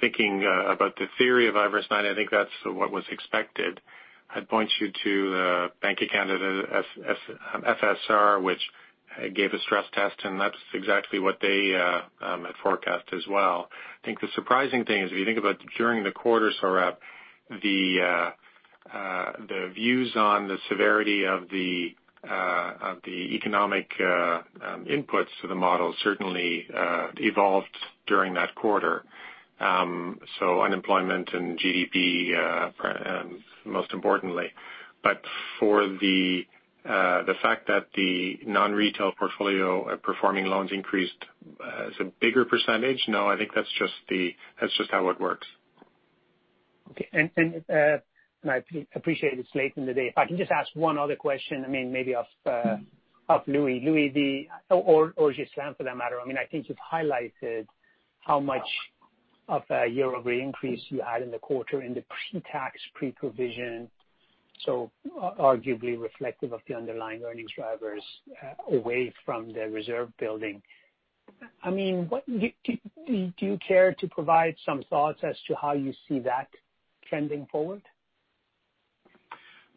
thinking about the theory of IFRS 9, I think that's what was expected. I'd point you to the Bank of Canada FSR, which gave a stress test, and that's exactly what they had forecast as well. I think the surprising thing is if you think about during the quarter Sohrab, the views on the severity of the economic inputs to the model certainly evolved during that quarter. So unemployment and GDP, most importantly. But for the fact that the non-retail portfolio of performing loans increased as a bigger percentage, no, I think that's just how it works. Okay. And I appreciate it's late in the day. If I can just ask one other question, I mean, maybe of Louis, or Ghislain for that matter. I mean, I think you've highlighted how much of a year-over-year increase you had in the quarter in the pre-tax, pre-provision, so arguably reflective of the underlying earnings drivers away from the reserve building. I mean, do you care to provide some thoughts as to how you see that trending forward?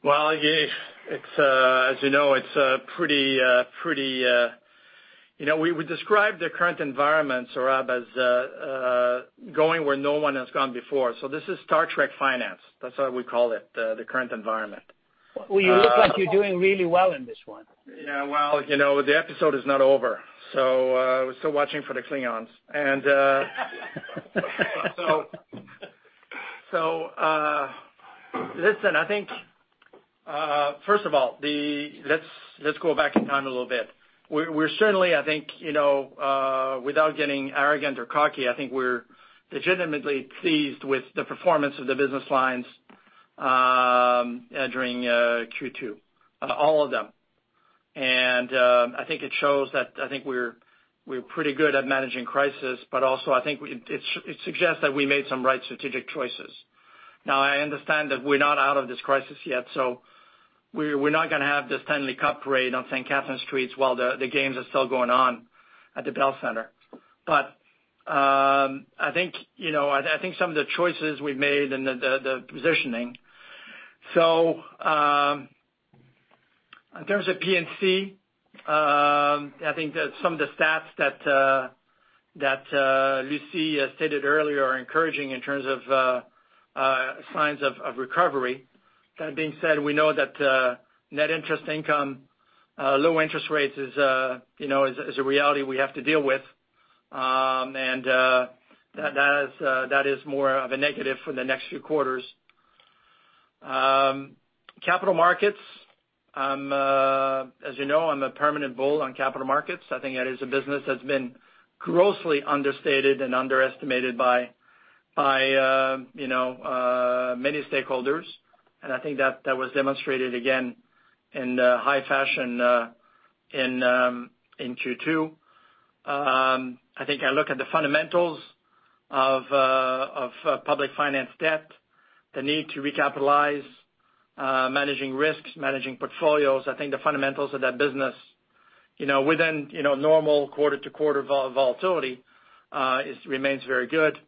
As you know, it's a pretty weird environment. We described the current environment, so rapid, as going where no one has gone before. So this is Star Trek finance. That's what we call it, the current environment. You look like you're doing really well in this one. Yeah. Well, the episode is not over. So we're still watching for the Klingons. And so listen, I think first of all, let's go back in time a little bit. We're certainly, I think, without getting arrogant or cocky, I think we're legitimately pleased with the performance of the business lines during Q2, all of them. And I think it shows that I think we're pretty good at managing crisis, but also I think it suggests that we made some right strategic choices. Now, I understand that we're not out of this crisis yet. So we're not going to have this Stanley Cup parade on Sainte-Catherine Street while the games are still going on at the Bell Centre. But I think some of the choices we've made and the positioning. So in terms of P&C, I think that some of the stats that Lucie stated earlier are encouraging in terms of signs of recovery. That being said, we know that net interest income, low interest rates is a reality we have to deal with. And that is more of a negative for the next few quarters. Capital markets, as you know, I'm a permanent bull on capital markets. I think that is a business that's been grossly understated and underestimated by many stakeholders. And I think that was demonstrated again in high fashion in Q2. I think I look at the fundamentals of public finance debt, the need to recapitalize, managing risks, managing portfolios. I think the fundamentals of that business within normal quarter-to-quarter volatility remains very good.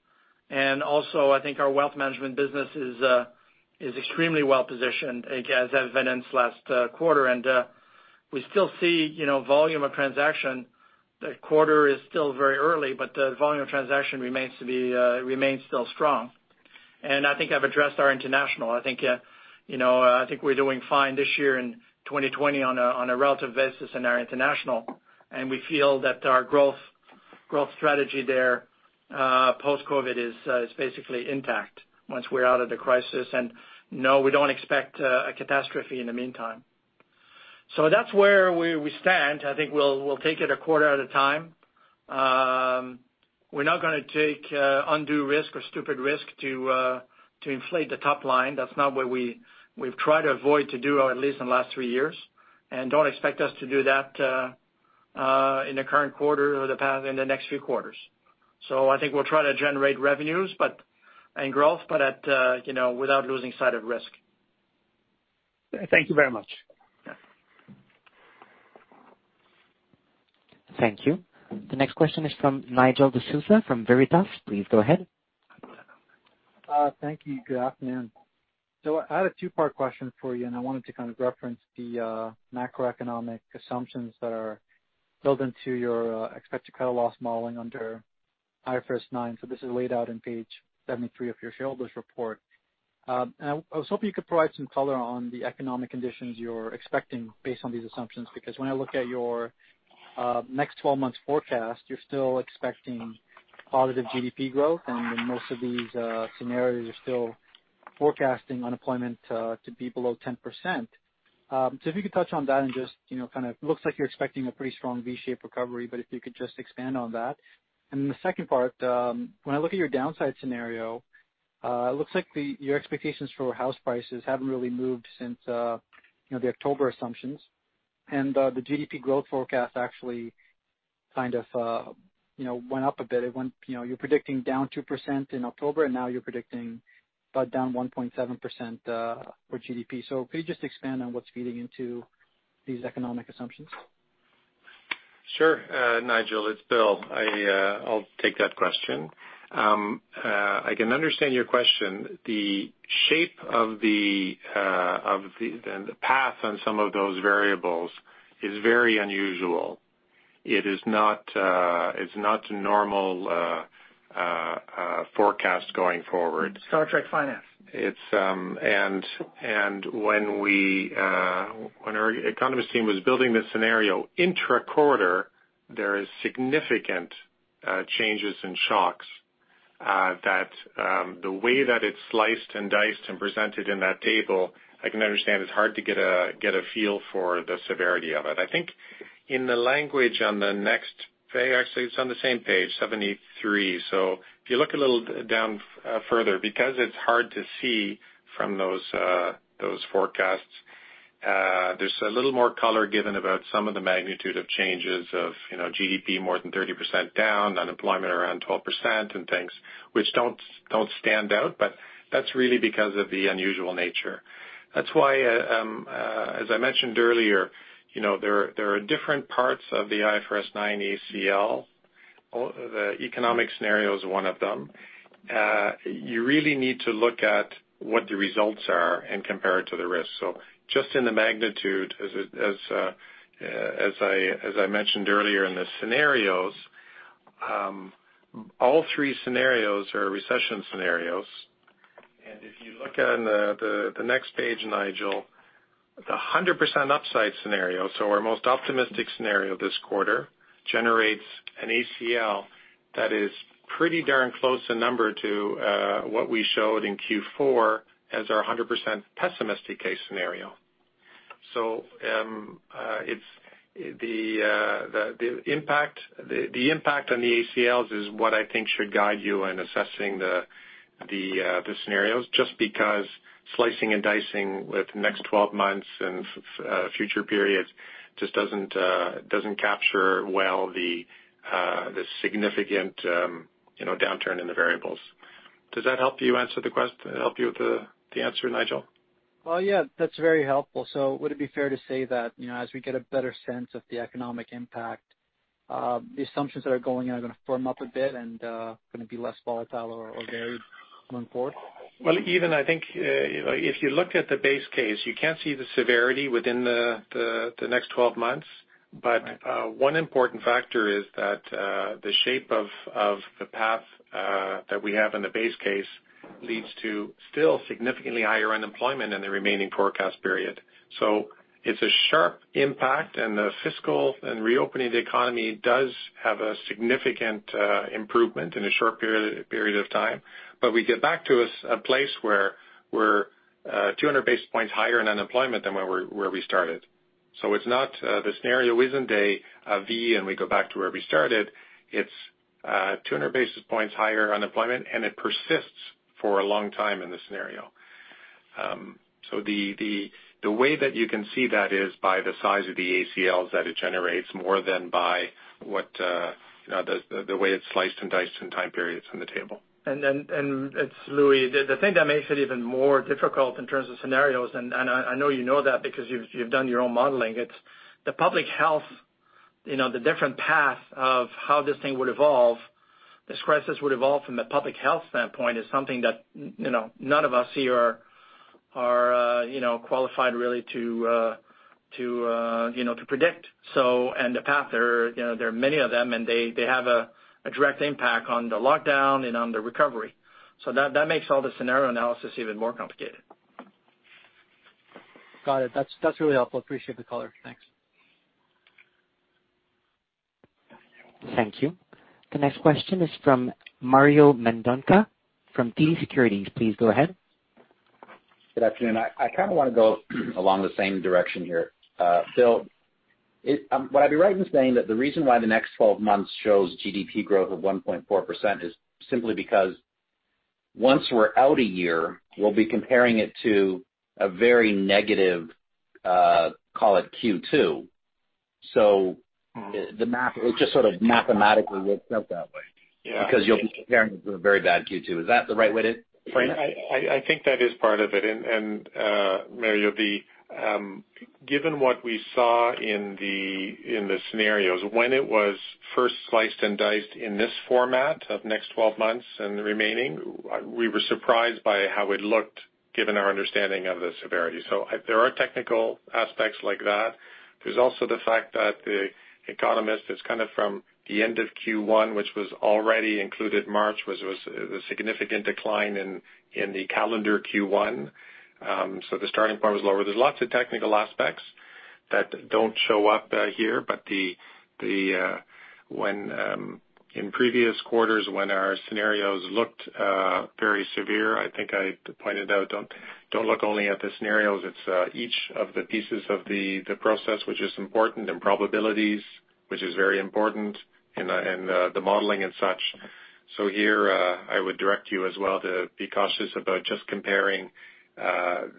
And also, I think our wealth management business is extremely well-positioned, as evidenced last quarter. And we still see volume of transaction. The quarter is still very early, but the volume of transaction remains still strong. And I think I've addressed our international. I think we're doing fine this year in 2020 on a relative basis in our international. And we feel that our growth strategy there post-COVID is basically intact once we're out of the crisis. And no, we don't expect a catastrophe in the meantime. So that's where we stand. I think we'll take it a quarter at a time. We're not going to take undue risk or stupid risk to inflate the top line. That's not what we've tried to avoid to do, at least in the last three years. And don't expect us to do that in the current quarter or in the next few quarters. So I think we'll try to generate revenues and growth, but without losing sight of risk. Thank you very much. Thank you. The next question is from Nigel D'Souza from Veritas. Please go ahead. Thank you. Good afternoon, so I had a two-part question for you, and I wanted to kind of reference the macroeconomic assumptions that are built into your expected credit loss modeling under IFRS 9, so this is laid out on page 73 of your shareholders' report. And I was hoping you could provide some color on the economic conditions you're expecting based on these assumptions, because when I look at your next 12-month forecast, you're still expecting positive GDP growth. And in most of these scenarios, you're still forecasting unemployment to be below 10%. So if you could touch on that and just kind of, it looks like you're expecting a pretty strong V-shaped recovery, but if you could just expand on that. And then the second part, when I look at your downside scenario, it looks like your expectations for house prices haven't really moved since the October assumptions. And the GDP growth forecast actually kind of went up a bit. You're predicting down 2% in October, and now you're predicting about down 1.7% for GDP. So could you just expand on what's feeding into these economic assumptions? Sure. Nigel, it's Bill. I'll take that question. I can understand your question. The shape of the path on some of those variables is very unusual. It is not a normal forecast going forward. Star Trek finance. When our economist team was building this scenario, intra-quarter, there are significant changes and shocks that the way that it's sliced and diced and presented in that table, I can understand it's hard to get a feel for the severity of it. I think in the language on the next page, actually, it's on the same page, 73. So if you look a little down further, because it's hard to see from those forecasts, there's a little more color given about some of the magnitude of changes of GDP more than 30% down, unemployment around 12%, and things which don't stand out. But that's really because of the unusual nature. That's why, as I mentioned earlier, there are different parts of the IFRS 9 ACL. The economic scenario is one of them. You really need to look at what the results are and compare it to the risk. So just in the magnitude, as I mentioned earlier in the scenarios, all three scenarios are recession scenarios. And if you look on the next page, Nigel, the 100% upside scenario, so our most optimistic scenario this quarter, generates an ACL that is pretty darn close in number to what we showed in Q4 as our 100% pessimistic case scenario. So the impact on the ACLs is what I think should guide you in assessing the scenarios, just because slicing and dicing with next 12 months and future periods just doesn't capture well the significant downturn in the variables. Does that help you answer the question? Does that help you with the answer, Nigel? Well, yeah, that's very helpful. So would it be fair to say that as we get a better sense of the economic impact, the assumptions that are going in are going to firm up a bit and going to be less volatile or varied going forward? Well, even I think if you look at the base case, you can't see the severity within the next 12 months. But one important factor is that the shape of the path that we have in the base case leads to still significantly higher unemployment in the remaining forecast period. So it's a sharp impact, and the fiscal and reopening of the economy does have a significant improvement in a short period of time. But we get back to a place where we're 200 basis points higher in unemployment than where we started. So the scenario isn't a V and we go back to where we started. It's 200 basis points higher unemployment, and it persists for a long time in the scenario. The way that you can see that is by the size of the ACLs that it generates more than by the way it's sliced and diced in time periods on the table. Louis, the thing that makes it even more difficult in terms of scenarios, and I know you know that because you've done your own modeling, it's the public health, the different path of how this thing would evolve. This crisis would evolve from a public health standpoint is something that none of us here are qualified really to predict. The path, there are many of them, and they have a direct impact on the lockdown and on the recovery. That makes all the scenario analysis even more complicated. Got it. That's really helpful. Appreciate the color. Thanks. Thank you. The next question is from Mario Mendonca from TD Securities. Please go ahead. Good afternoon. I kind of want to go along the same direction here. Bill, what I'd be right in saying that the reason why the next 12 months shows GDP growth of 1.4% is simply because once we're out a year, we'll be comparing it to a very negative, call it Q2. So it just sort of mathematically works out that way because you'll be comparing it to a very bad Q2. Is that the right way to frame it? I think that is part of it, and Mario, given what we saw in the scenarios, when it was first sliced and diced in this format of next 12 months and the remaining, we were surprised by how it looked given our understanding of the severity, so there are technical aspects like that. There's also the fact that the economist is kind of from the end of Q1, which was already included. March was the significant decline in the calendar Q1, so the starting point was lower. There's lots of technical aspects that don't show up here, but in previous quarters, when our scenarios looked very severe, I think I pointed out, don't look only at the scenarios. It's each of the pieces of the process, which is important, and probabilities, which is very important, and the modeling and such. So here, I would direct you as well to be cautious about just comparing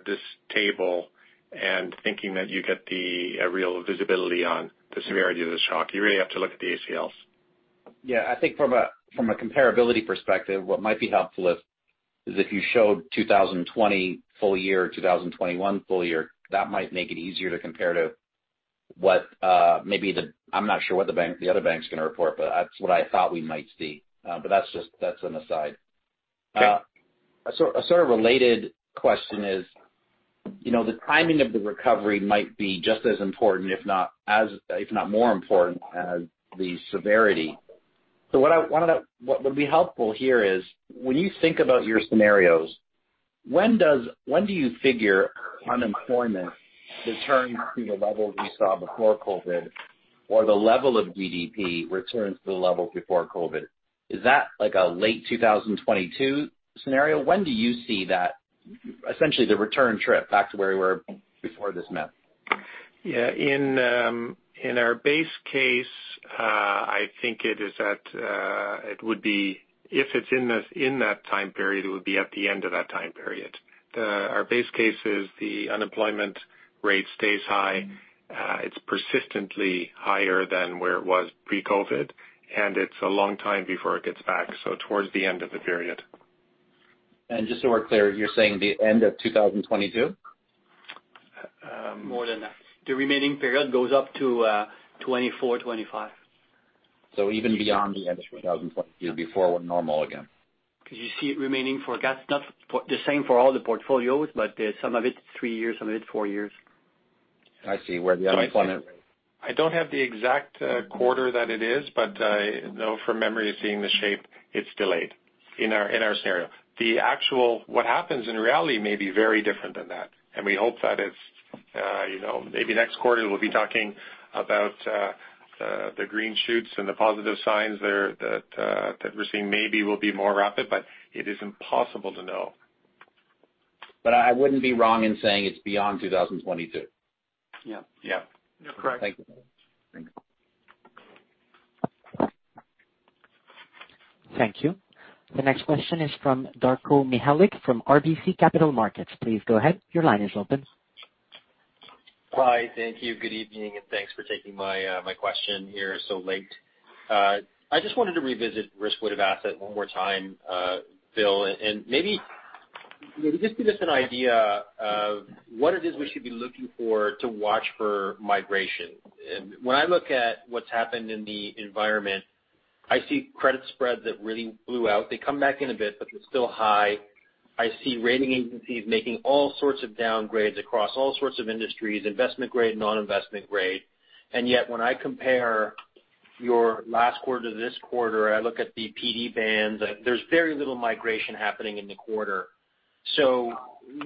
this table and thinking that you get the real visibility on the severity of the shock. You really have to look at the ACLs. Yeah. I think from a comparability perspective, what might be helpful is if you showed 2020 full year, 2021 full year, that might make it easier to compare to what maybe the - I'm not sure what the other bank's going to report, but that's what I thought we might see. But that's an aside. A sort of related question is the timing of the recovery might be just as important, if not more important, as the severity. So what would be helpful here is when you think about your scenarios, when do you figure unemployment returns to the levels we saw before COVID, or the level of GDP returns to the levels before COVID? Is that a late 2022 scenario? When do you see that, essentially, the return trip back to where we were before this mess? Yeah. In our base case, I think it would be, if it's in that time period, it would be at the end of that time period. Our base case is the unemployment rate stays high. It's persistently higher than where it was pre-COVID, and it's a long time before it gets back, so towards the end of the period. And just so we're clear, you're saying the end of 2022? More than that. The remaining period goes up to 2024, 2025. Even beyond the end of 2022, before we're normal again. Because you see it remaining for—that's not the same for all the portfolios, but some of it's three years, some of it's four years. I see. Where the unemployment rate? I don't have the exact quarter that it is, but from memory, seeing the shape, it's delayed in our scenario. What happens in reality may be very different than that and we hope that maybe next quarter, we'll be talking about the green shoots and the positive signs that we're seeing maybe will be more rapid, but it is impossible to know. But I wouldn't be wrong in saying it's beyond 2022. Yeah. Yeah. You're correct. Thank you. Thank you. The next question is from Darko Mihelic from RBC Capital Markets. Please go ahead. Your line is open. Hi. Thank you. Good evening. And thanks for taking my question here so late. I just wanted to revisit risk-weighted asset one more time, Bill. And maybe just give us an idea of what it is we should be looking for to watch for migration. When I look at what's happened in the environment, I see credit spreads that really blew out. They come back in a bit, but they're still high. I see rating agencies making all sorts of downgrades across all sorts of industries, investment grade, non-investment grade. And yet, when I compare your last quarter to this quarter, I look at the PD bands, there's very little migration happening in the quarter. So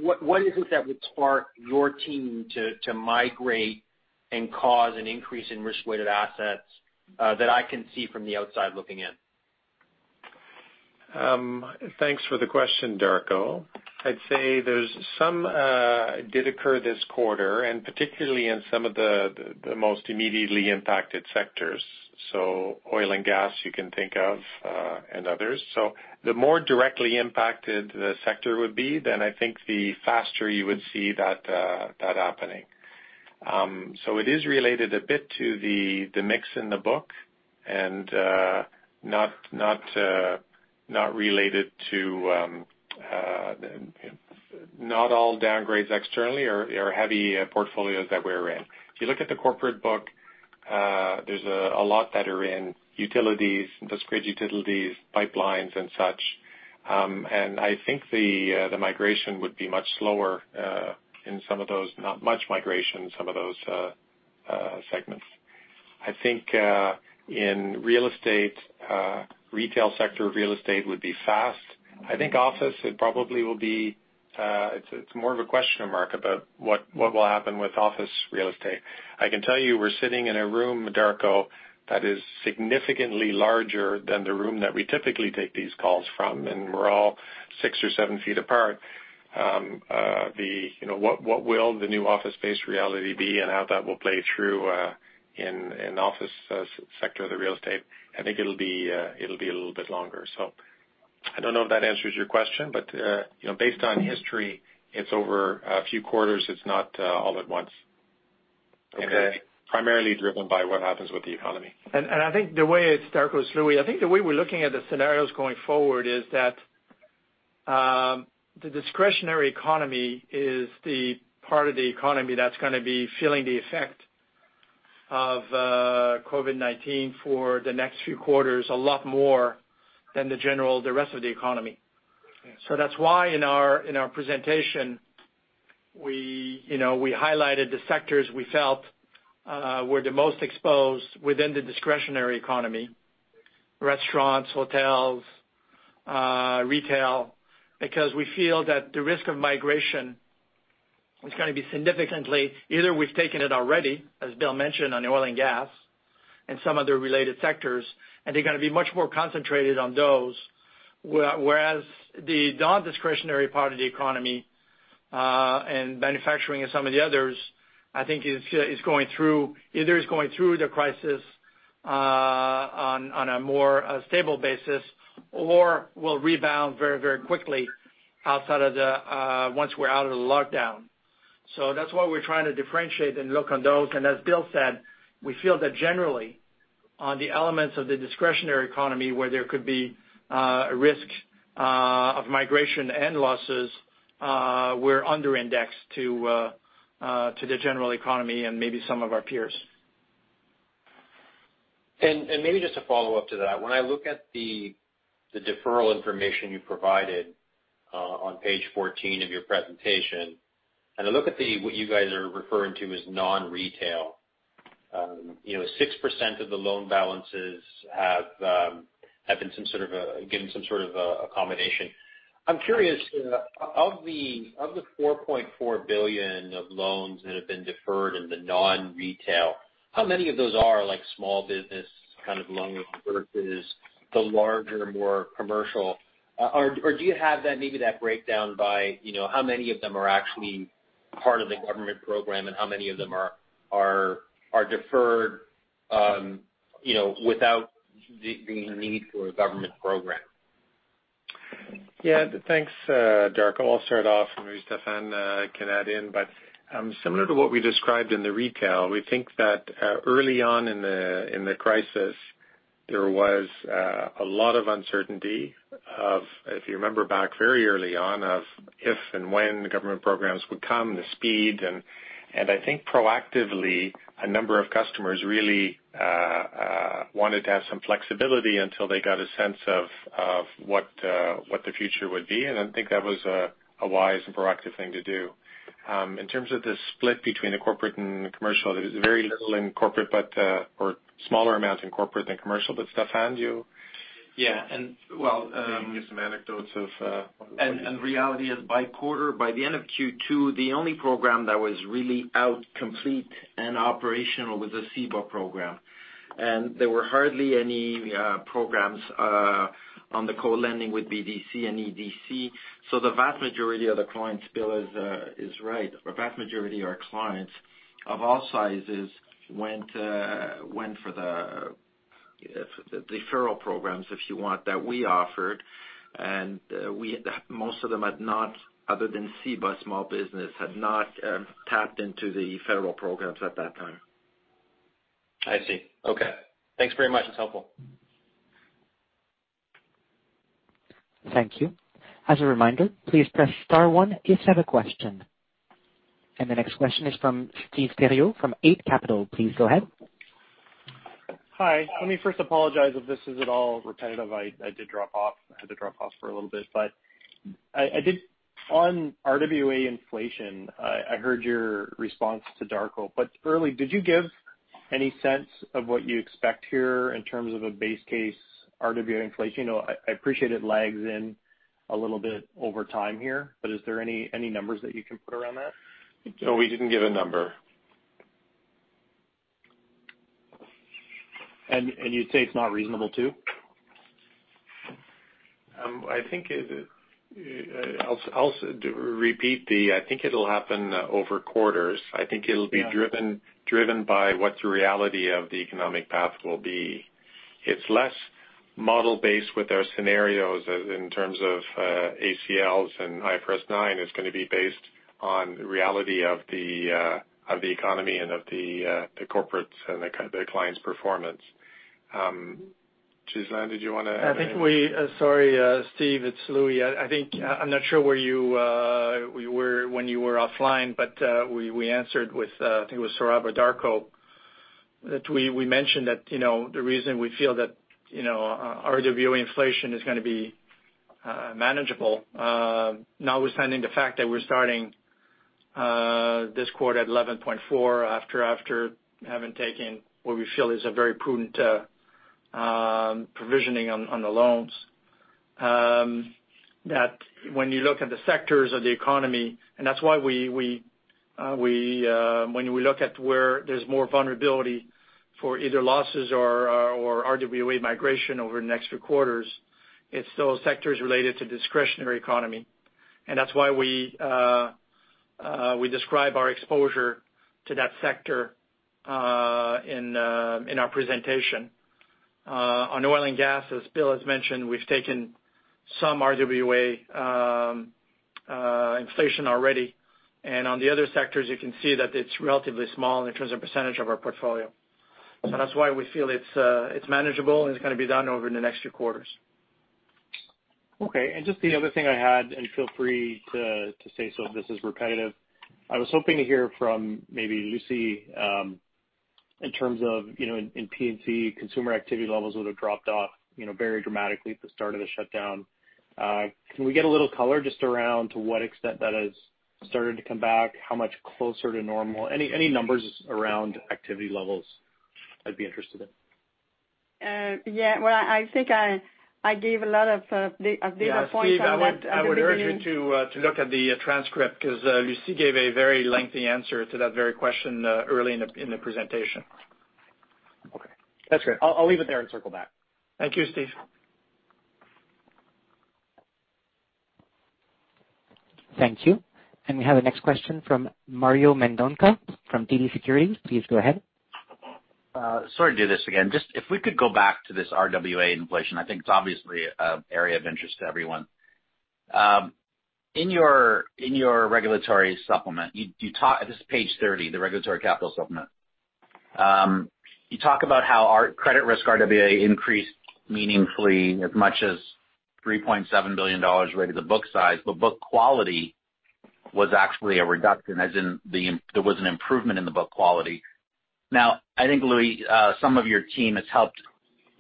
what is it that would spark your team to migrate and cause an increase in risk-weighted assets that I can see from the outside looking in? Thanks for the question, Darko. I'd say there's some did occur this quarter, and particularly in some of the most immediately impacted sectors, so oil and gas you can think of and others, so the more directly impacted the sector would be, then I think the faster you would see that happening. So it is related a bit to the mix in the book and not related to not all downgrades externally or heavy portfolios that we're in. If you look at the corporate book, there's a lot that are in utilities, industrial utilities, pipelines, and such, and I think the migration would be much slower in some of those, not much migration, some of those segments. I think in real estate, retail sector real estate would be fast. I think office probably will be. It's more of a question mark about what will happen with office real estate. I can tell you we're sitting in a room, Darko, that is significantly larger than the room that we typically take these calls from, and we're all six or seven feet apart. What will the new office-based reality be and how that will play through in office sector of the real estate? I think it'll be a little bit longer. So I don't know if that answers your question, but based on history, it's over a few quarters. It's not all at once. It's primarily driven by what happens with the economy. I think the way it's Darko's, Louis. I think the way we're looking at the scenarios going forward is that the discretionary economy is the part of the economy that's going to be feeling the effect of COVID-19 for the next few quarters a lot more than the rest of the economy. So that's why in our presentation, we highlighted the sectors we felt were the most exposed within the discretionary economy: restaurants, hotels, retail, because we feel that the risk of migration is going to be significantly, either we've taken it already, as Bill mentioned on oil and gas and some other related sectors, and they're going to be much more concentrated on those, whereas the non-discretionary part of the economy and manufacturing and some of the others, I think, is going through, either it's going through the crisis on a more stable basis or will rebound very, very quickly outside of the, once we're out of the lockdown. So that's why we're trying to differentiate and look on those. As Bill said, we feel that generally on the elements of the discretionary economy where there could be a risk of migration and losses, we're under-indexed to the general economy and maybe some of our peers. Maybe just a follow-up to that. When I look at the deferral information you provided on page 14 of your presentation, and I look at what you guys are referring to as non-retail, 6% of the loan balances have been given some sort of accommodation. I'm curious, of the 4.4 billion of loans that have been deferred in the non-retail, how many of those are small business kind of loans versus the larger, more commercial? Or do you have maybe that breakdown by how many of them are actually part of the government program and how many of them are deferred without the need for a government program? Yeah. Thanks, Darko. I'll start off, and maybe Stéphane can add in. But similar to what we described in the retail, we think that early on in the crisis, there was a lot of uncertainty, if you remember back very early on, of if and when government programs would come, the speed. And I think proactively, a number of customers really wanted to have some flexibility until they got a sense of what the future would be. And I think that was a wise and proactive thing to do. In terms of the split between the corporate and commercial, there's very little in corporate or smaller amount in corporate than commercial. But Stéphane, you? Yeah. And, well, I'll give some anecdotes of. And reality is by quarter, by the end of Q2, the only program that was really out complete and operational was the CEBA program. And there were hardly any programs on the co-lending with BDC and EDC. So the vast majority of the clients, Bill is right, a vast majority of our clients of all sizes went for the deferral programs, if you want, that we offered. And most of them, other than CEBA small business, had not tapped into the federal programs at that time. I see. Okay. Thanks very much. It's helpful. Thank you. As a reminder, please press star one if you have a question. And the next question is from Steve Theriault from Eight Capital. Please go ahead. Hi. Let me first apologize if this is at all repetitive. I did drop off. I had to drop off for a little bit. But on RWA inflation, I heard your response to Darko. But early, did you give any sense of what you expect here in terms of a base case RWA inflation? I appreciate it lags in a little bit over time here, but is there any numbers that you can put around that? No, we didn't give a number. You'd say it's not reasonable too? I think it'll happen over quarters. I think it'll be driven by what the reality of the economic path will be. It's less model-based with our scenarios in terms of ACLs and IFRS 9. It's going to be based on the reality of the economy and of the corporates and the clients' performance. Ghislain, did you want to add anything? I think we, sorry, Steve, it's Louis. I think I'm not sure where you were when you were offline, but we answered with, I think it was Sohrab or Darko, that we mentioned that the reason we feel that RWA inflation is going to be manageable notwithstanding the fact that we're starting this quarter at 11.4 after having taken what we feel is a very prudent provisioning on the loans. That when you look at the sectors of the economy, and that's why when we look at where there's more vulnerability for either losses or RWA migration over the next few quarters, it's those sectors related to discretionary economy. And that's why we describe our exposure to that sector in our presentation. On oil and gas, as Bill has mentioned, we've taken some RWA inflation already. And on the other sectors, you can see that it's relatively small in terms of percentage of our portfolio. So that's why we feel it's manageable and it's going to be done over the next few quarters. Okay, and just the other thing I had, and feel free to say so if this is repetitive, I was hoping to hear from maybe Lucie in terms of in P&C, consumer activity levels would have dropped off very dramatically at the start of the shutdown. Can we get a little color just around to what extent that has started to come back? How much closer to normal? Any numbers around activity levels I'd be interested in? Yeah, well, I think I gave a lot of data points. Yeah. I would urge you to look at the transcript because Lucie gave a very lengthy answer to that very question early in the presentation. Okay. That's great. I'll leave it there and circle back. Thank you, Steve. Thank you. And we have a next question from Mario Mendonca from TD Securities. Please go ahead. Sorry to do this again. Just if we could go back to this RWA inflation. I think it's obviously an area of interest to everyone. In your regulatory supplement, this is page 30, the regulatory capital supplement, you talk about how credit risk RWA increased meaningfully as much as 3.7 billion dollars related to the book size, but book quality was actually a reduction, as in there was an improvement in the book quality. Now, I think, Louis, some of your team has helped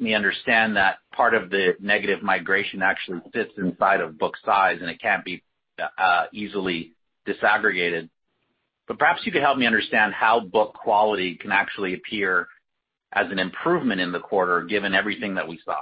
me understand that part of the negative migration actually sits inside of book size, and it can't be easily disaggregated. But perhaps you could help me understand how book quality can actually appear as an improvement in the quarter given everything that we saw.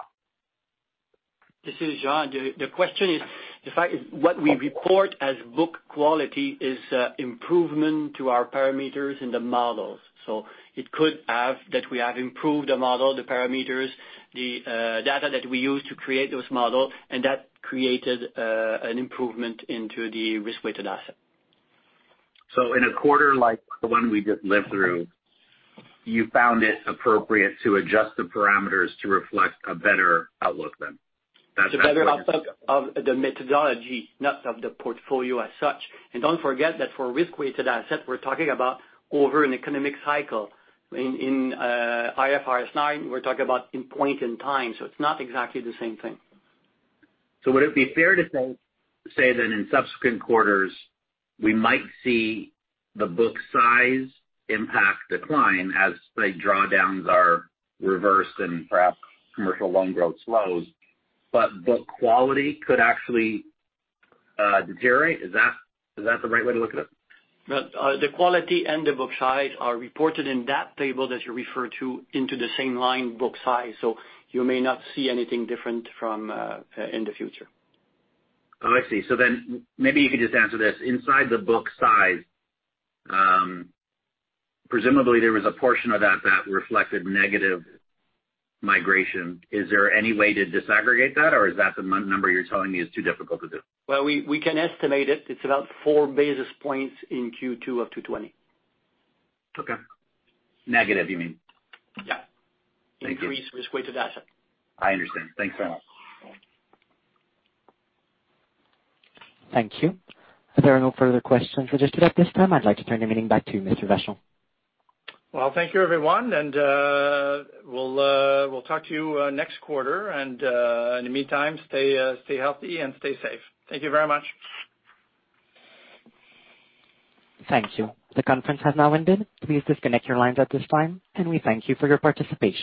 This is Jean. The question is, in fact, what we report as book quality is improvement to our parameters in the models, so it could be that we have improved the model, the parameters, the data that we use to create those models, and that created an improvement in the risk-weighted assets. So in a quarter like the one we just lived through, you found it appropriate to adjust the parameters to reflect a better outlook then? A better outlook of the methodology, not of the portfolio as such. And don't forget that for risk-weighted asset, we're talking about over an economic cycle. In IFRS 9, we're talking about in point in time. So it's not exactly the same thing. Would it be fair to say that in subsequent quarters, we might see the book size impact decline as drawdowns are reversed and perhaps commercial loan growth slows, but book quality could actually deteriorate? Is that the right way to look at it? The quality and the book size are reported in that table that you refer to into the same line, book size. So you may not see anything different in the future. Oh, I see. So then maybe you could just answer this. Inside the book size, presumably, there was a portion of that that reflected negative migration. Is there any way to disaggregate that, or is that the number you're telling me is too difficult to do? We can estimate it. It's about four basis points in Q2 of 2020. Okay. Negative, you mean? Yeah. Increased risk-weighted asset. I understand. Thanks very much. Thank you. If there are no further questions registered at this time, I'd like to turn the meeting back to Mr. Vachon. Thank you, everyone. We'll talk to you next quarter. In the meantime, stay healthy and stay safe. Thank you very much. Thank you. The conference has now ended. Please disconnect your lines at this time, and we thank you for your participation.